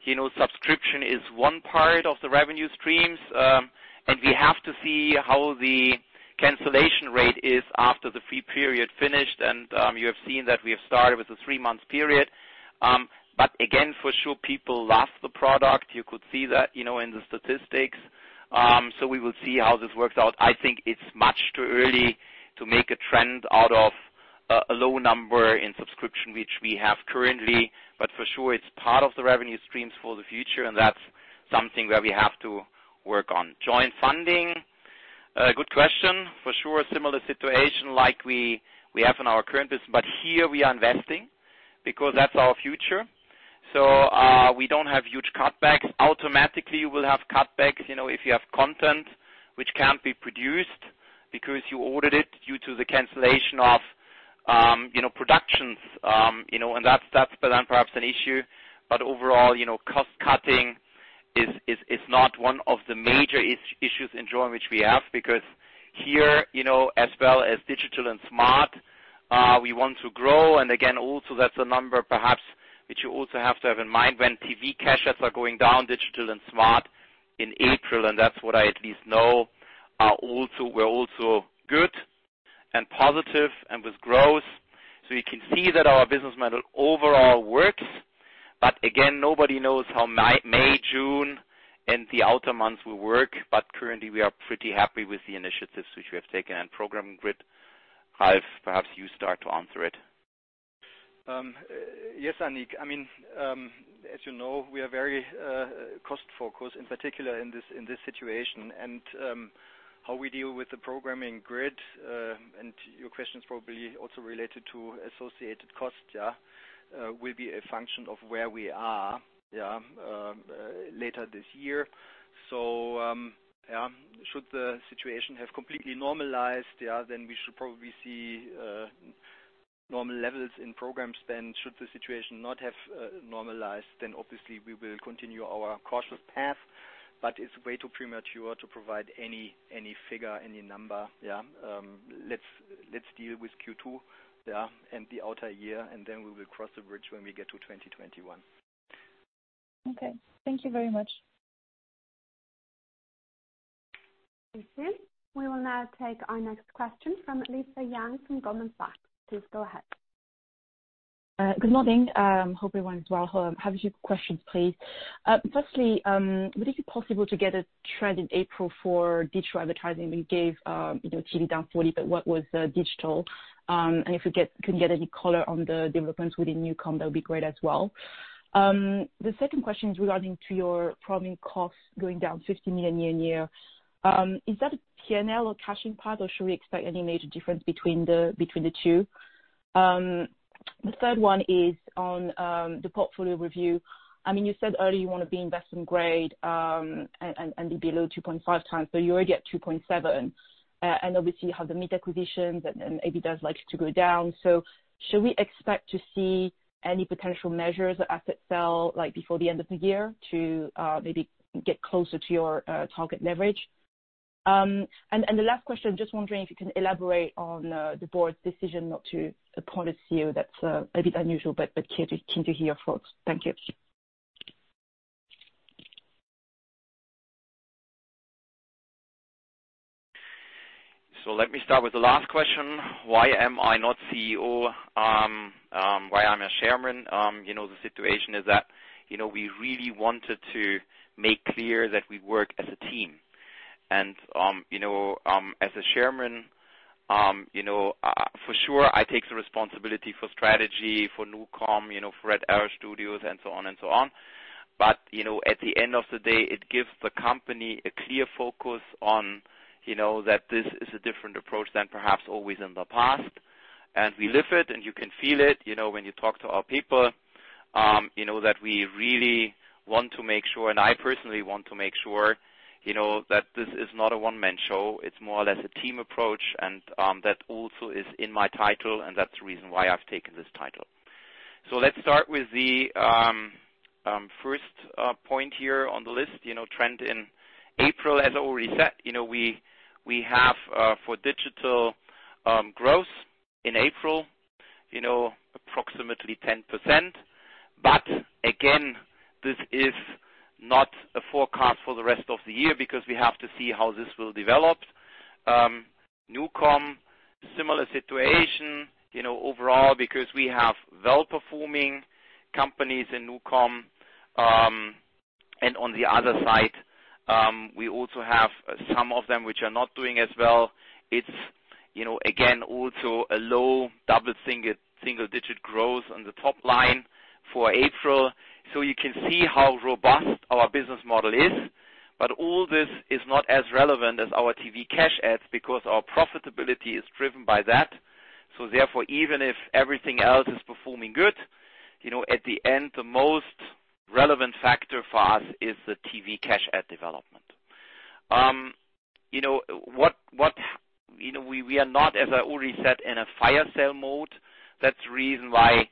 subscription is one part of the revenue streams, and we have to see how the cancellation rate is after the free period finished. You have seen that we have started with a three-month period. Again, for sure people love the product. You could see that in the statistics. We will see how this works out. I think it's much too early to make a trend out of a low number in subscription, which we have currently. For sure, it's part of the revenue streams for the future, and that's something that we have to work on. Joyn funding. Good question. For sure, similar situation like we have in our current business, but here we are investing because that's our future. We don't have huge cutbacks. Automatically, we'll have cutbacks if you have content which can't be produced because you ordered it due to the cancellation of productions. That's then perhaps an issue. Overall, cost-cutting is not one of the major issues in Joyn which we have, because here, as well as digital and smart, we want to grow. Again, also that's a number perhaps which you also have to have in mind when TV cash ads are going down digital and smart in April, and that's what I at least know, were also good and positive and with growth. You can see that our business model overall works. Again, nobody knows how May, June, and the outer months will work. Currently, we are pretty happy with the initiatives which we have taken and programming grid. Ralf, perhaps you start to answer it. Yes, Annick. As you know, we are very cost-focused, in particular in this situation. How we deal with the programming grid, and your question is probably also related to associated costs, will be a function of where we are later this year. Should the situation have completely normalized, we should probably see normal levels in program spend. Should the situation not have normalized, obviously we will continue our cautious path. It's way too premature to provide any figure, any number. Let's deal with Q2 and the outer year, we will cross the bridge when we get to 2021. Okay. Thank you very much. Thank you. We will now take our next question from Lisa Yang from Goldman Sachs. Please go ahead. Good morning. Hope everyone is well. I have a few questions, please. Firstly, would it be possible to get a trend in April for digital advertising? We gave TV down 40, but what was digital? If we can get any color on the developments within NuCom, that would be great as well. The second question is regarding to your programming costs going down 50 million year-on-year. Is that a P&L or cash impact, or should we expect any major difference between the two? The third one is on the portfolio review. You said earlier you want to be investment-grade, and be below 2.5x, but you're already at 2.7x. Obviously you have the Meet acquisitions and maybe those likely to go down. Should we expect to see any potential measures or asset sale, like before the end of the year to maybe get closer to your target leverage? The last question, just wondering if you can elaborate on the board's decision not to appoint a CEO. That's a bit unusual, but keen to hear thoughts. Thank you. Let me start with the last question. Why am I not CEO? Why I'm a Chairman? The situation is that we really wanted to make clear that we work as a team. As a Chairman, for sure I take the responsibility for strategy, for NuCom, for Red Arrow Studios and so on and so on. At the end of the day, it gives the company a clear focus on that this is a different approach than perhaps always in the past. We live it, and you can feel it when you talk to our people, that we really want to make sure, and I personally want to make sure, that this is not a one-man show. It's more or less a team approach, and that also is in my title, and that's the reason why I've taken this title. Let's start with the first point here on the list, trend in April. As I already said, we have for digital growth in April, approximately 17%. Again, this is not a forecast for the rest of the year, because we have to see how this will develop. NuCom, similar situation overall, because we have well-performing companies in NuCom. On the other side, we also have some of them which are not doing as well. It's, again, also a low double-single digit growth on the top line for April. You can see how robust our business model is. All this is not as relevant as our TV cash adds because our profitability is driven by that. Therefore, even if everything else is performing good, at the end, the most relevant factor for us is the TV cash add development. We are not, as I already said, in a fire sale mode. That's the reason why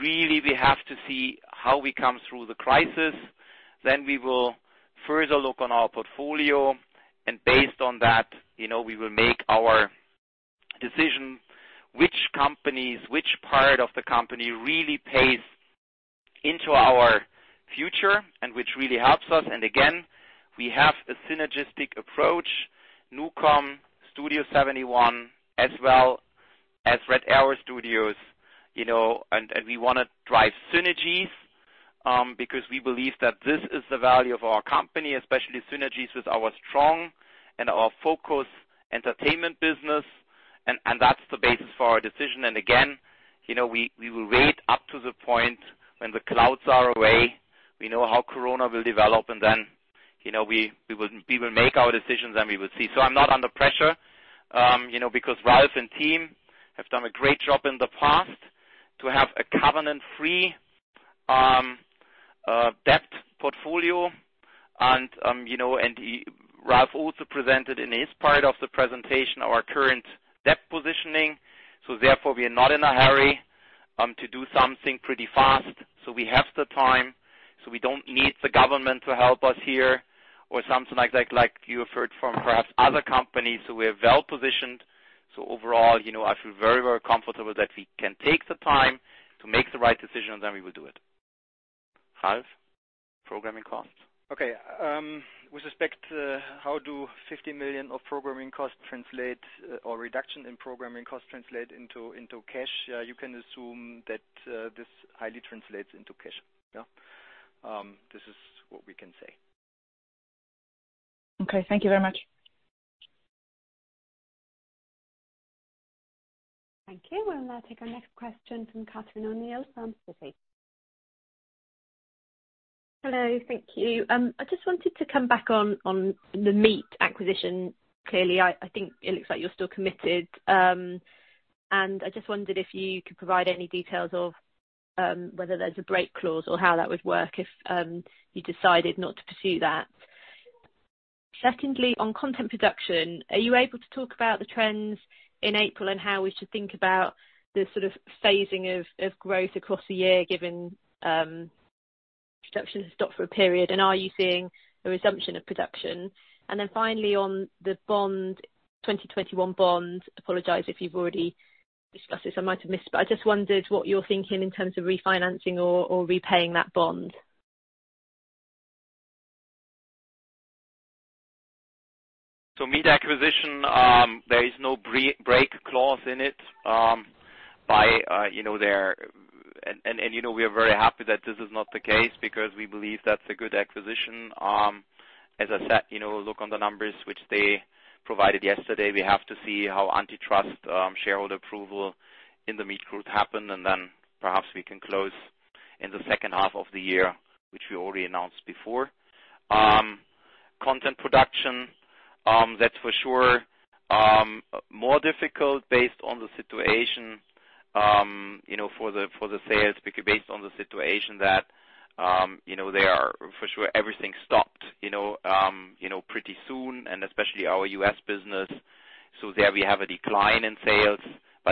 really we have to see how we come through the crisis. We will further look on our portfolio, and based on that, we will make our decision which companies, which part of the company really pays into our future and which really helps us. Again, we have a synergistic approach, NuCom, Studio71, as well as Red Arrow Studios. We want to drive synergies, because we believe that this is the value of our company, especially synergies with our strong and our focus entertainment business. That's the basis for our decision. Again, we will wait up to the point when the clouds are away. We know how corona will develop, and then we will make our decisions, and we will see. I'm not under pressure, because Ralf and team have done a great job in the past to have a covenant-free debt portfolio. Ralf also presented in his part of the presentation our current debt positioning. Therefore, we are not in a hurry to do something pretty fast. We have the time, so we don't need the government to help us here or something like that like you have heard from perhaps other companies. We are well-positioned. Overall, I feel very, very comfortable that we can take the time to make the right decision, then we will do it. Ralf, programming costs. Okay. With respect to how do 50 million of programming costs translate or reduction in programming costs translate into cash, you can assume that this highly translates into cash. Yeah. This is what we can say. Okay. Thank you very much. Thank you. We'll now take our next question from Catherine O'Neill from Citi. Hello. Thank you. I just wanted to come back on the Meet acquisition. Clearly, I think it looks like you're still committed. I just wondered if you could provide any details of whether there's a break clause or how that would work if you decided not to pursue that. Secondly, on content production, are you able to talk about the trends in April and how we should think about the phasing of growth across the year, given production has stopped for a period? Are you seeing a resumption of production? Finally on the 2021 bond, apologize if you've already discussed this, I might have missed it, but I just wondered what you're thinking in terms of refinancing or repaying that bond. Meet acquisition, there is no break clause in it. We are very happy that this is not the case because we believe that's a good acquisition. As I said, look on the numbers which they provided yesterday. We have to see how antitrust shareholder approval in the Meet group happen, perhaps we can close in the second half of the year, which we already announced before. Content production, that's for sure more difficult based on the situation for the sales, because based on the situation that they are for sure everything stopped pretty soon, and especially our U.S. business. There we have a decline in sales.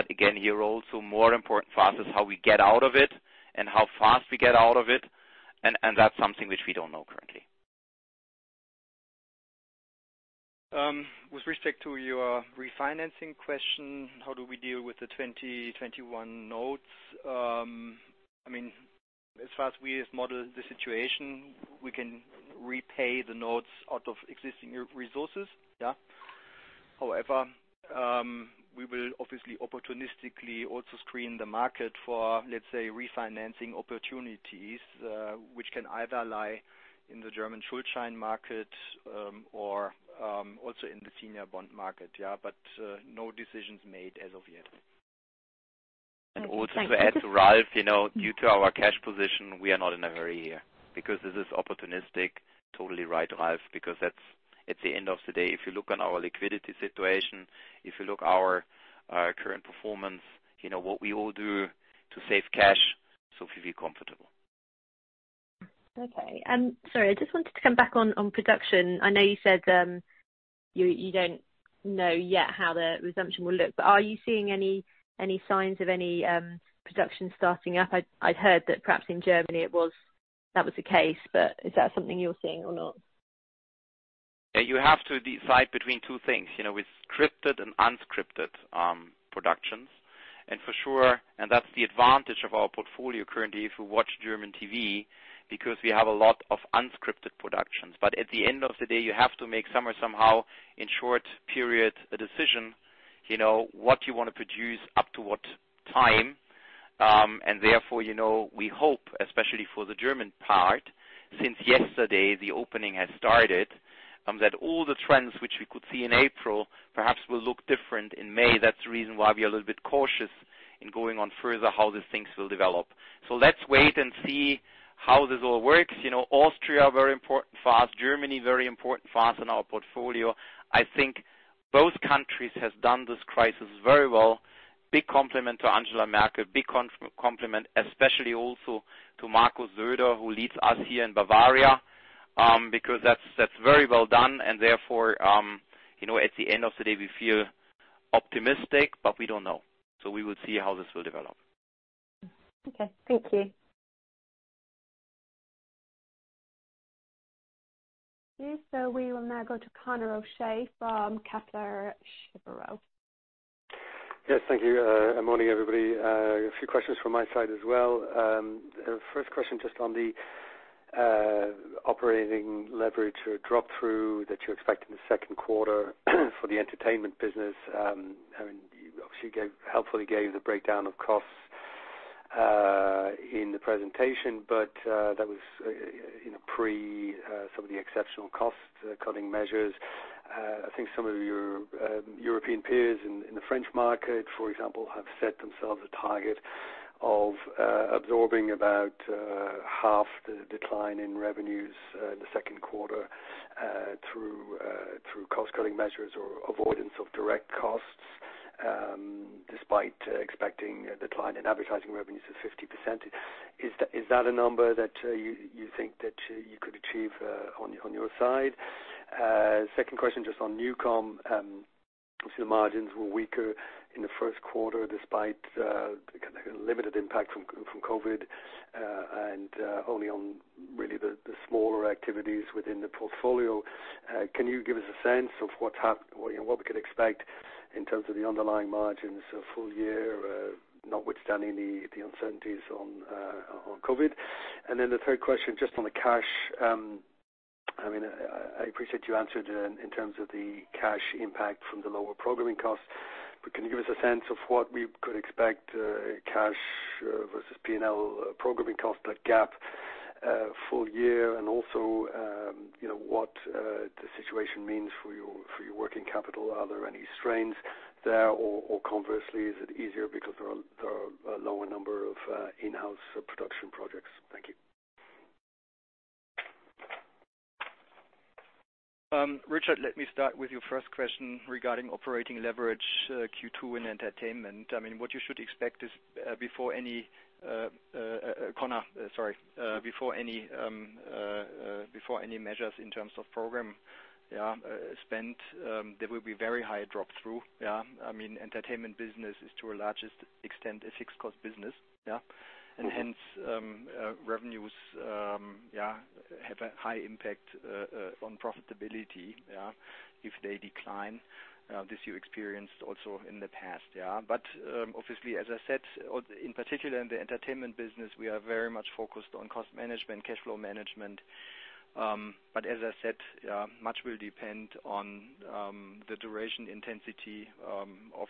Again, here also more important for us is how we get out of it and how fast we get out of it, and that's something which we don't know currently. With respect to your refinancing question, how do we deal with the 2021 notes? As far as we have modeled the situation, we can repay the notes out of existing resources. Yeah. However, we will obviously opportunistically also screen the market for, let's say, refinancing opportunities, which can either lie in the German Schuldschein market or also in the senior bond market, yeah. No decisions made as of yet. Also to add to Ralf, due to our cash position, we are not in a hurry here, because this is opportunistic. Totally right, Ralf, because at the end of the day, if you look on our liquidity situation, if you look our current performance, what we all do to save cash, we feel comfortable. Okay. Sorry, I just wanted to come back on production. I know you said you don't know yet how the resumption will look, are you seeing any signs of any production starting up? I'd heard that perhaps in Germany that was the case, is that something you're seeing or not? You have to decide between two things, with scripted and unscripted productions. For sure, and that's the advantage of our portfolio currently, if you watch German TV, because we have a lot of unscripted productions. At the end of the day, you have to make some way, somehow, in short period, a decision, what you want to produce up to what time. Therefore, we hope, especially for the German part, since yesterday, the opening has started, that all the trends which we could see in April perhaps will look different in May. That's the reason why we are a little bit cautious in going on further how these things will develop. Let's wait and see how this all works. Austria, very important for us. Germany, very important for us in our portfolio. I think both countries has done this crisis very well. Big compliment to Angela Merkel. Big compliment especially also to Markus Söder who leads us here in Bavaria, because that's very well done. Therefore, at the end of the day, we feel optimistic, we don't know. We will see how this will develop. Okay. Thank you. We will now go to Conor O'Shea from Kepler Cheuvreux. Yes. Thank you. Morning, everybody. A few questions from my side as well. First question, just on the operating leverage or drop-through that you expect in the second quarter for the entertainment business. You obviously helpfully gave the breakdown of costs in the presentation, that was pre some of the exceptional cost-cutting measures. I think some of your European peers in the French market, for example, have set themselves a target of absorbing about half the decline in revenues in the second quarter through cost-cutting measures or avoidance of direct costs, despite expecting a decline in advertising revenues of 50%. Is that a number that you think that you could achieve on your side? Second question, just on NuCom. Obviously, the margins were weaker in the first quarter, despite limited impact from COVID-19, only on really the smaller activities within the portfolio. Can you give us a sense of what we could expect in terms of the underlying margins for full year, notwithstanding the uncertainties on COVID? The third question, just on the cash. I appreciate you answered in terms of the cash impact from the lower programming costs, but can you give us a sense of what we could expect cash versus P&L programming cost net gap full year, and also what the situation means for your working capital? Are there any strains there or conversely, is it easier because there are a lower number of in-house production projects? Thank you. Richard, let me start with your first question regarding operating leverage Q2 in entertainment. What you should expect is Conor, sorry. Before any measures in terms of program spend, there will be very high drop-through. Entertainment business is to a largest extent a fixed cost business. Hence, revenues have a high impact on profitability if they decline. This you experienced also in the past. Obviously, as I said, in particular in the entertainment business, we are very much focused on cost management, cash flow management. As I said, much will depend on the duration, intensity of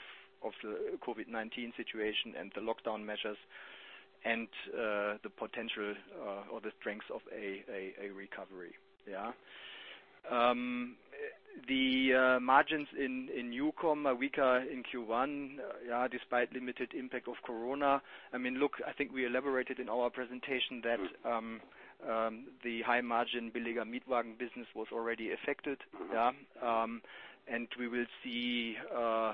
the COVID-19 situation and the lockdown measures and the potential or the strengths of a recovery. The margins in NuCom are weaker in Q1 despite limited impact of Corona. I think we elaborated in our presentation that. Good The high margin billiger-mietwagen business was already affected. We will see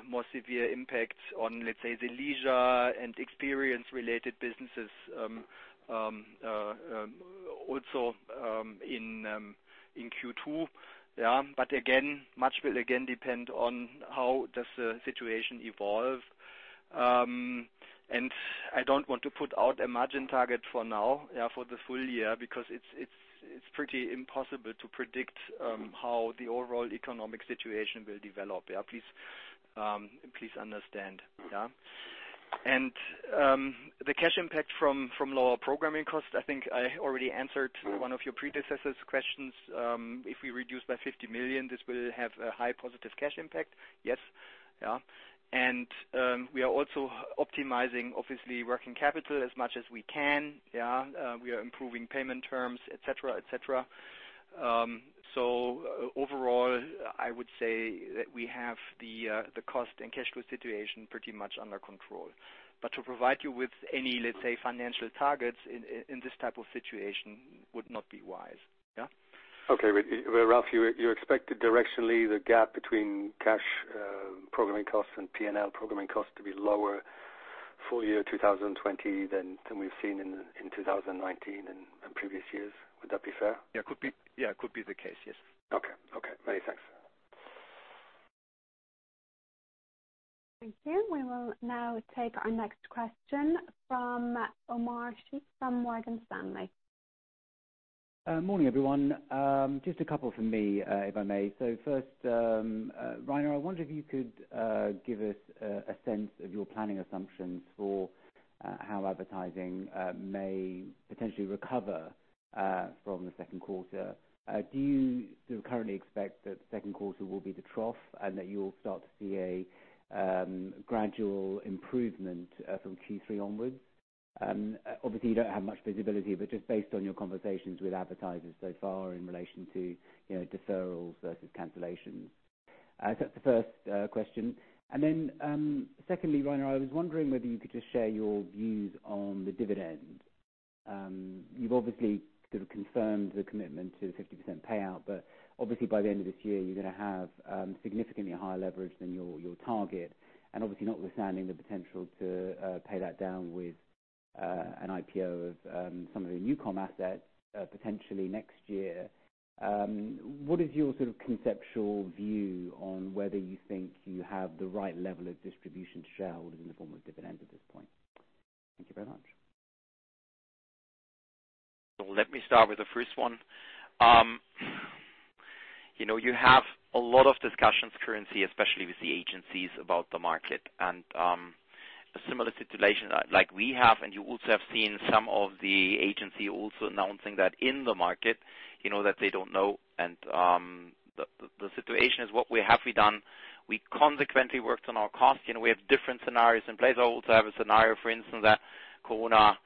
more severe impacts on, let's say, the leisure and experience-related businesses also in Q2. Again, much will again depend on how does the situation evolve. I don't want to put out a margin target for now for the full year, because it's pretty impossible to predict how the overall economic situation will develop. Please understand. The cash impact from lower programming costs, I think I already answered one of your predecessor's questions. If we reduce by 50 million, this will have a high positive cash impact. Yes. We are also optimizing, obviously, working capital as much as we can. We are improving payment terms, et cetera. Overall, I would say that we have the cost and cash flow situation pretty much under control. To provide you with any, let's say, financial targets in this type of situation would not be wise. Okay. Ralf, you expect directionally the gap between cash programming costs and P&L programming costs to be lower full year 2020 than we've seen in 2019 and previous years. Would that be fair? Yeah, could be the case. Yes. Okay. Many thanks. Thank you. We will now take our next question from Omar Sheikh from Morgan Stanley. Morning, everyone. Just a couple from me, if I may. First, Rainer, I wonder if you could give us a sense of your planning assumptions for how advertising may potentially recover from the second quarter. Do you currently expect that the second quarter will be the trough and that you will start to see a gradual improvement from Q3 onwards? Obviously, you don't have much visibility, but just based on your conversations with advertisers so far in relation to deferrals versus cancellations. That's the first question. Secondly, Rainer, I was wondering whether you could just share your views on the dividend. You've obviously sort of confirmed the commitment to the 50% payout, but obviously by the end of this year, you're going to have significantly higher leverage than your target. Obviously notwithstanding the potential to pay that down with an IPO of some of your NuCom assets potentially next year, what is your sort of conceptual view on whether you think you have the right level of distribution to shareholders in the form of dividends at this point? Thank you very much. Let me start with the first one. You have a lot of discussions currently, especially with the agencies about the market, and a similar situation like we have, and you also have seen some of the agency also announcing that in the market, that they don't know. The situation is what we have done, we consequently worked on our cost. We have different scenarios in place. I also have a scenario, for instance, that corona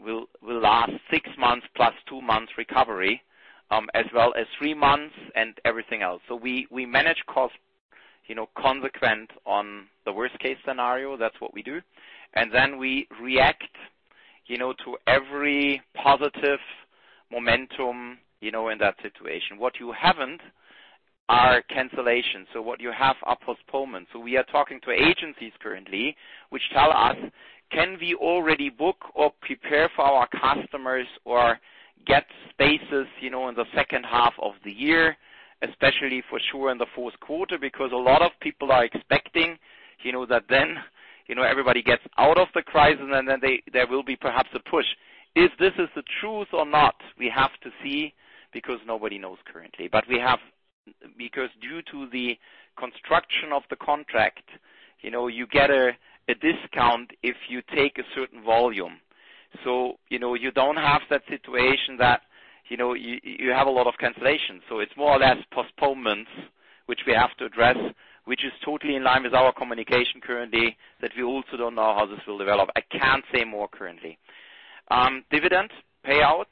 will last six months plus two months recovery, as well as three months and everything else. We manage costs consequent on the worst-case scenario. That's what we do. Then we react to every positive momentum in that situation. What you haven't are cancellations. What you have are postponements. We are talking to agencies currently, which tell us, "Can we already book or prepare for our customers or get spaces in the second half of the year?" Especially for sure in the fourth quarter, because a lot of people are expecting that then everybody gets out of the crisis, and then there will be perhaps a push. If this is the truth or not, we have to see because nobody knows currently. Due to the construction of the contract, you get a discount if you take a certain volume. You don't have that situation that you have a lot of cancellations. It's more or less postponements, which we have to address, which is totally in line with our communication currently, that we also don't know how this will develop. I can't say more currently. Dividend payout,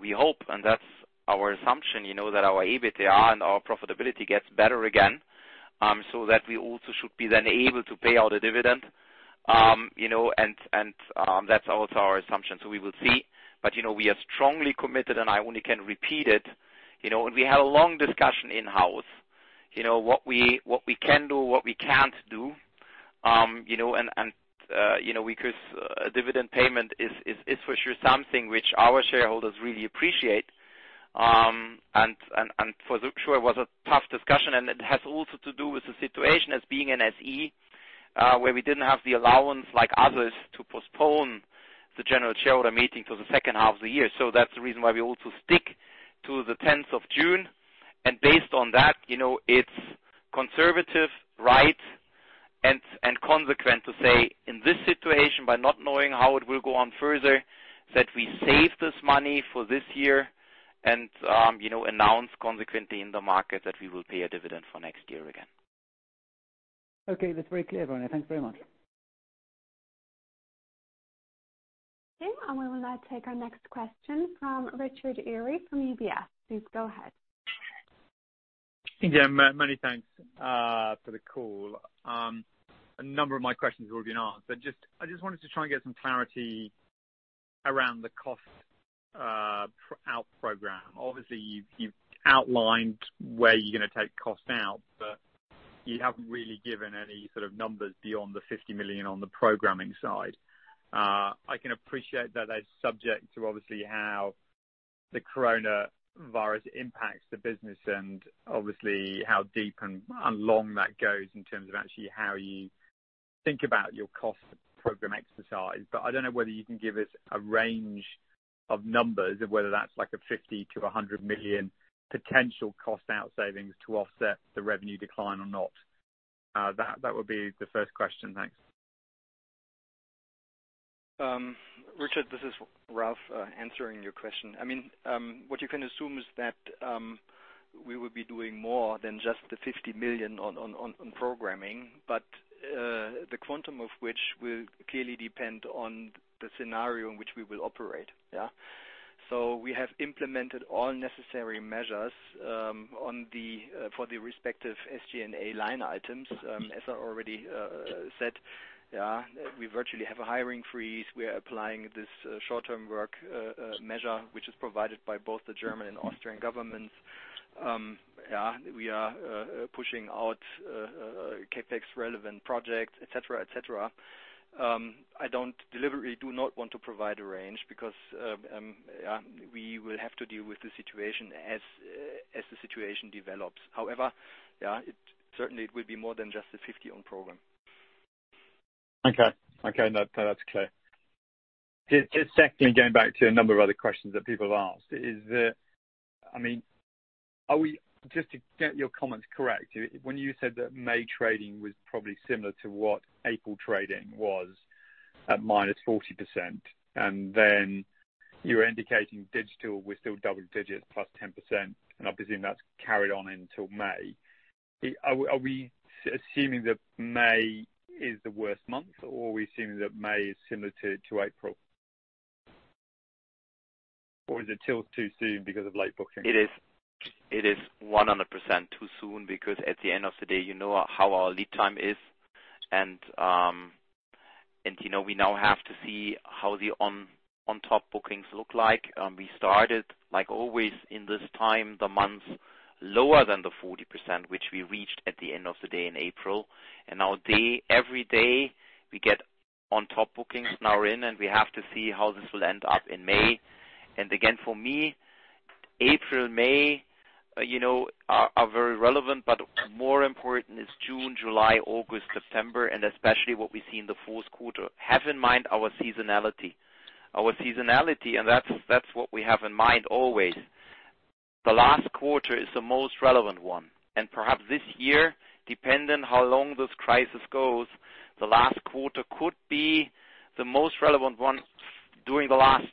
we hope, and that's our assumption, that our EBIT and our profitability gets better again, so that we also should be then able to pay out a dividend. That's also our assumption. We will see. We are strongly committed, and I only can repeat it, and we had a long discussion in-house. What we can do, what we can't do, and because a dividend payment is for sure something which our shareholders really appreciate. For sure was a tough discussion and it has also to do with the situation as being an SE, where we didn't have the allowance like others to postpone the general shareholder meeting to the second half of the year. That's the reason why we also stick to the 10th of June, and based on that, it's conservative, right? Consequent to say, in this situation, by not knowing how it will go on further, that we save this money for this year and announce consequently in the market that we will pay a dividend for next year again. Okay. That's very clear, Rainer. Thanks very much. Okay. We will now take our next question from Richard Eary from UBS. Please go ahead. Yeah, many thanks for the call. A number of my questions have already been asked, I just wanted to try and get some clarity around the cost out program. Obviously, you've outlined where you're going to take cost out, you haven't really given any sort of numbers beyond the 50 million on the programming side. I can appreciate that that's subject to obviously how the coronavirus impacts the business and obviously how deep and how long that goes in terms of actually how you think about your cost program exercise. I don't know whether you can give us a range of numbers of whether that's like a 50 million-100 million potential cost out savings to offset the revenue decline or not. That would be the first question. Thanks. Richard, this is Ralf answering your question. What you can assume is that we will be doing more than just the 50 million on programming, but the quantum of which will clearly depend on the scenario in which we will operate. We have implemented all necessary measures for the respective SG&A line items. As I already said, we virtually have a hiring freeze. We are applying this short-time work measure, which is provided by both the German and Austrian governments. We are pushing out CapEx-relevant projects, et cetera. I deliberately do not want to provide a range because we will have to deal with the situation as the situation develops. However, certainly it will be more than just the 50 on program. Okay. No, that's clear. Just secondly, going back to a number of other questions that people have asked is, just to get your comments correct, when you said that May trading was probably similar to what April trading was at -40%, and then you were indicating digital was still double digits, +10%, and I presume that's carried on until May. Are we assuming that May is the worst month, or are we assuming that May is similar to April? Or is it still too soon because of late bookings? It is 100% too soon because at the end of the day, you know how our lead time is. We now have to see how the on-top bookings look like. We started, like always in this time, the month lower than the 40%, which we reached at the end of the day in April. Now every day we get on-top bookings, and we have to see how this will end up in May. Again, for me, April, May are very relevant, but more important is June, July, August, September, and especially what we see in the fourth quarter. Have in mind our seasonality. Our seasonality, that's what we have in mind always. The last quarter is the most relevant one. Perhaps this year, depending how long this crisis goes, the last quarter could be the most relevant one during the last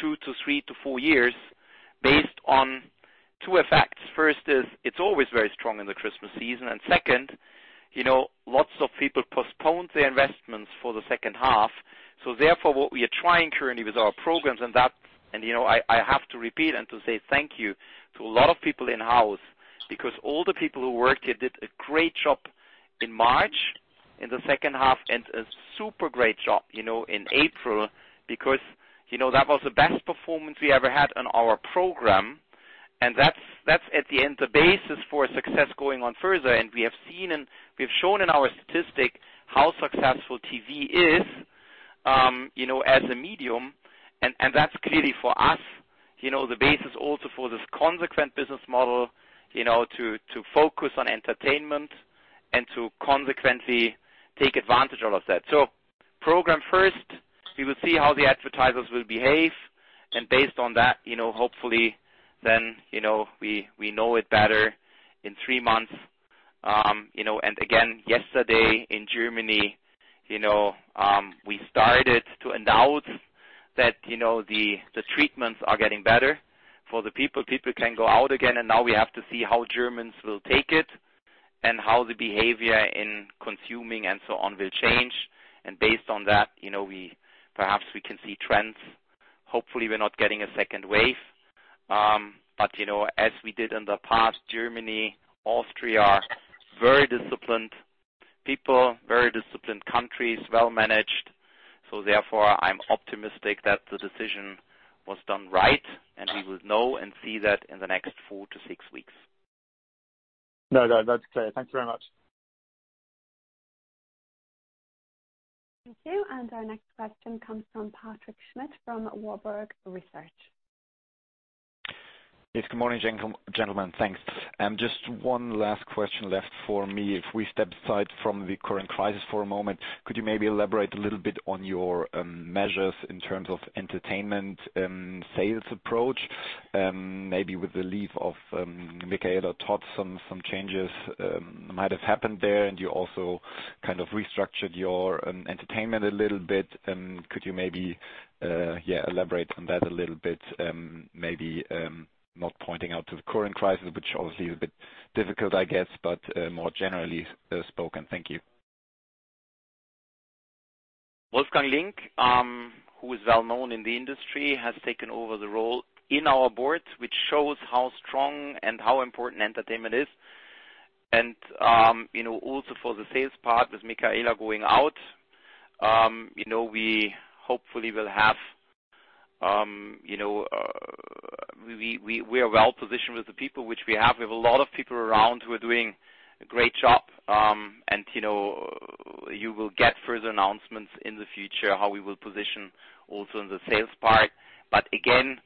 two to three to four years based on two effects. First is, it's always very strong in the Christmas season. Second, lots of people postponed their investments for the second half. Therefore, what we are trying currently with our programs, and I have to repeat and to say thank you to a lot of people in-house, because all the people who worked here did a great job in March, in the second half, and a super great job in April, because that was the best performance we ever had on our program. That's, at the end, the basis for success going on further. We have seen and we have shown in our statistic how successful TV is as a medium. That's clearly for us, the basis also for this consequent business model, to focus on entertainment and to consequently take advantage of that. Program first, we will see how the advertisers will behave. Based on that, hopefully then, we know it better in three months. Again, yesterday in Germany, we started to announce that the treatments are getting better for the people. People can go out again, now we have to see how Germans will take it and how the behavior in consuming and so on will change. Based on that, perhaps we can see trends. Hopefully, we are not getting a second wave. As we did in the past, Germany, Austria are very disciplined people, very disciplined countries, well-managed. Therefore, I'm optimistic that the decision was done right, and we will know and see that in the next four to six weeks. No, that's clear. Thank you very much. Thank you. Our next question comes from Patrick Schmidt from Warburg Research. Yes, good morning, gentlemen. Thanks. Just one last question left for me. If we step aside from the current crisis for a moment, could you maybe elaborate a little bit on your measures in terms of entertainment and sales approach? Maybe with the leave of Michaela Tod, some changes might have happened there, and you also restructured your entertainment a little bit. Could you maybe elaborate on that a little bit? Maybe not pointing out to the current crisis, which obviously is a bit difficult, I guess, but more generally spoken. Thank you. Wolfgang Link, who is well-known in the industry, has taken over the role in our board, which shows how strong and how important entertainment is. Also for the sales part, with Michaela going out, we are well-positioned with the people which we have. We have a lot of people around who are doing a great job. You will get further announcements in the future, how we will position also in the sales part. Again,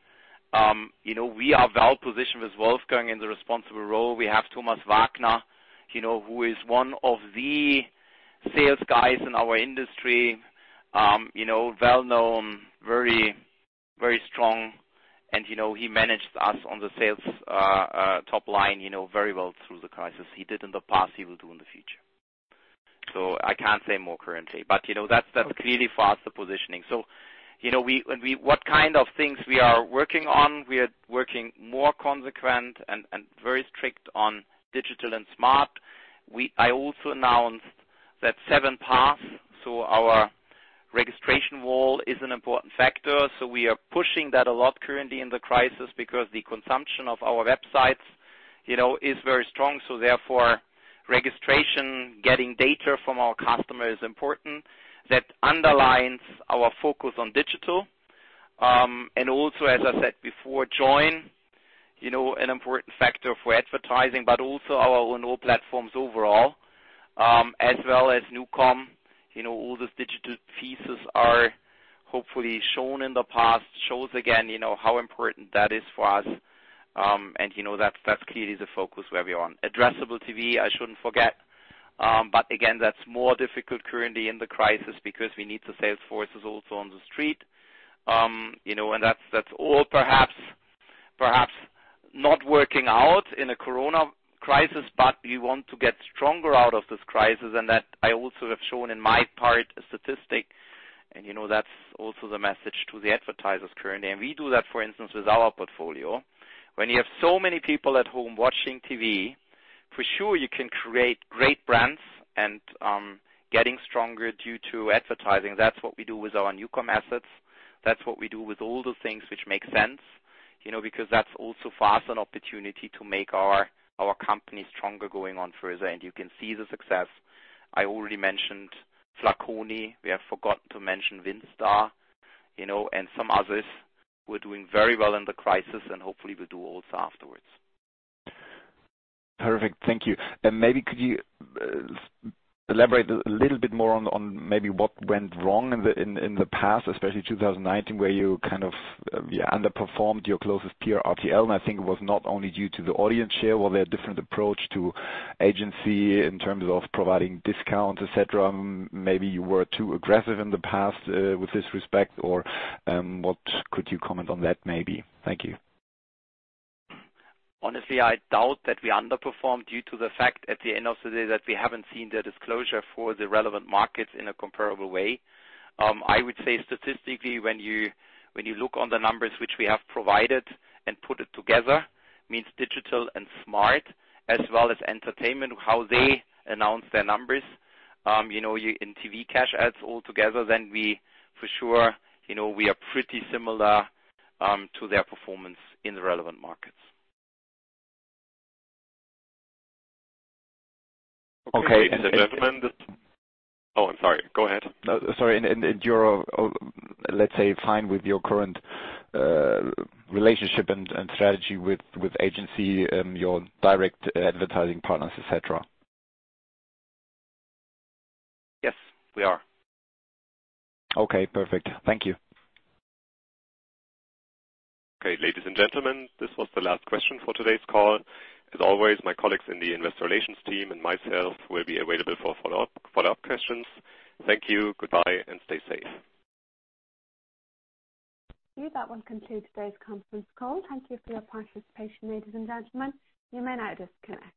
we are well-positioned with Wolfgang in the responsible role. We have Thomas Wagner, who is one of the sales guys in our industry, well-known, very strong, and he managed us on the sales top line very well through the crisis. He did in the past, he will do in the future. I can't say more currently, but that's clearly for us the positioning. What kind of things we are working on, we are working more consequent and very strict on digital and smart. I also announced that 7Pass, so our registration wall is an important factor. We are pushing that a lot currently in the crisis because the consumption of our websites is very strong. Therefore, registration, getting data from our customer is important. That underlines our focus on digital. Also as I said before, Joyn, an important factor for advertising, but also our own platforms overall, as well as NuCom. All those digital pieces are hopefully shown in the past, shows again how important that is for us. That's clearly the focus where we are on. Addressable TV, I shouldn't forget. Again, that's more difficult currently in the crisis because we need the sales forces also on the street. That's all perhaps not working out in a Corona crisis, but we want to get stronger out of this crisis and that I also have shown in my part a statistic and that's also the message to the advertisers currently. We do that, for instance, with our portfolio. When you have so many people at home watching TV, for sure you can create great brands and getting stronger due to advertising. That's what we do with our NuCom assets. That's what we do with all the things which make sense, because that's also for us an opportunity to make our company stronger going on further. You can see the success. I already mentioned Flaconi. We have forgotten to mention WindStar and some others who are doing very well in the crisis, and hopefully will do also afterwards. Perfect. Thank you. Maybe could you elaborate a little bit more on maybe what went wrong in the past, especially 2019, where you kind of underperformed your closest peer, RTL, and I think it was not only due to the audience share or their different approach to agency in terms of providing discounts, et cetera. Maybe you were too aggressive in the past, with this respect or what could you comment on that, maybe? Thank you. Honestly, I doubt that we underperformed due to the fact at the end of the day that we haven't seen the disclosure for the relevant markets in a comparable way. I would say statistically, when you look on the numbers which we have provided and put it together, means digital and smart as well as entertainment, how they announce their numbers, in TV cash ads all together, then we for sure, we are pretty similar, to their performance in the relevant markets. Okay. Oh, I'm sorry. Go ahead. No, sorry. You're, let's say, fine with your current relationship and strategy with agency, your direct advertising partners, et cetera? Yes, we are. Okay, perfect. Thank you. Okay, ladies and gentlemen, this was the last question for today's call. As always, my colleagues in the Investor Relations team and myself will be available for follow-up questions. Thank you. Goodbye, and stay safe. That will conclude today's conference call. Thank you for your participation, ladies and gentlemen. You may now disconnect.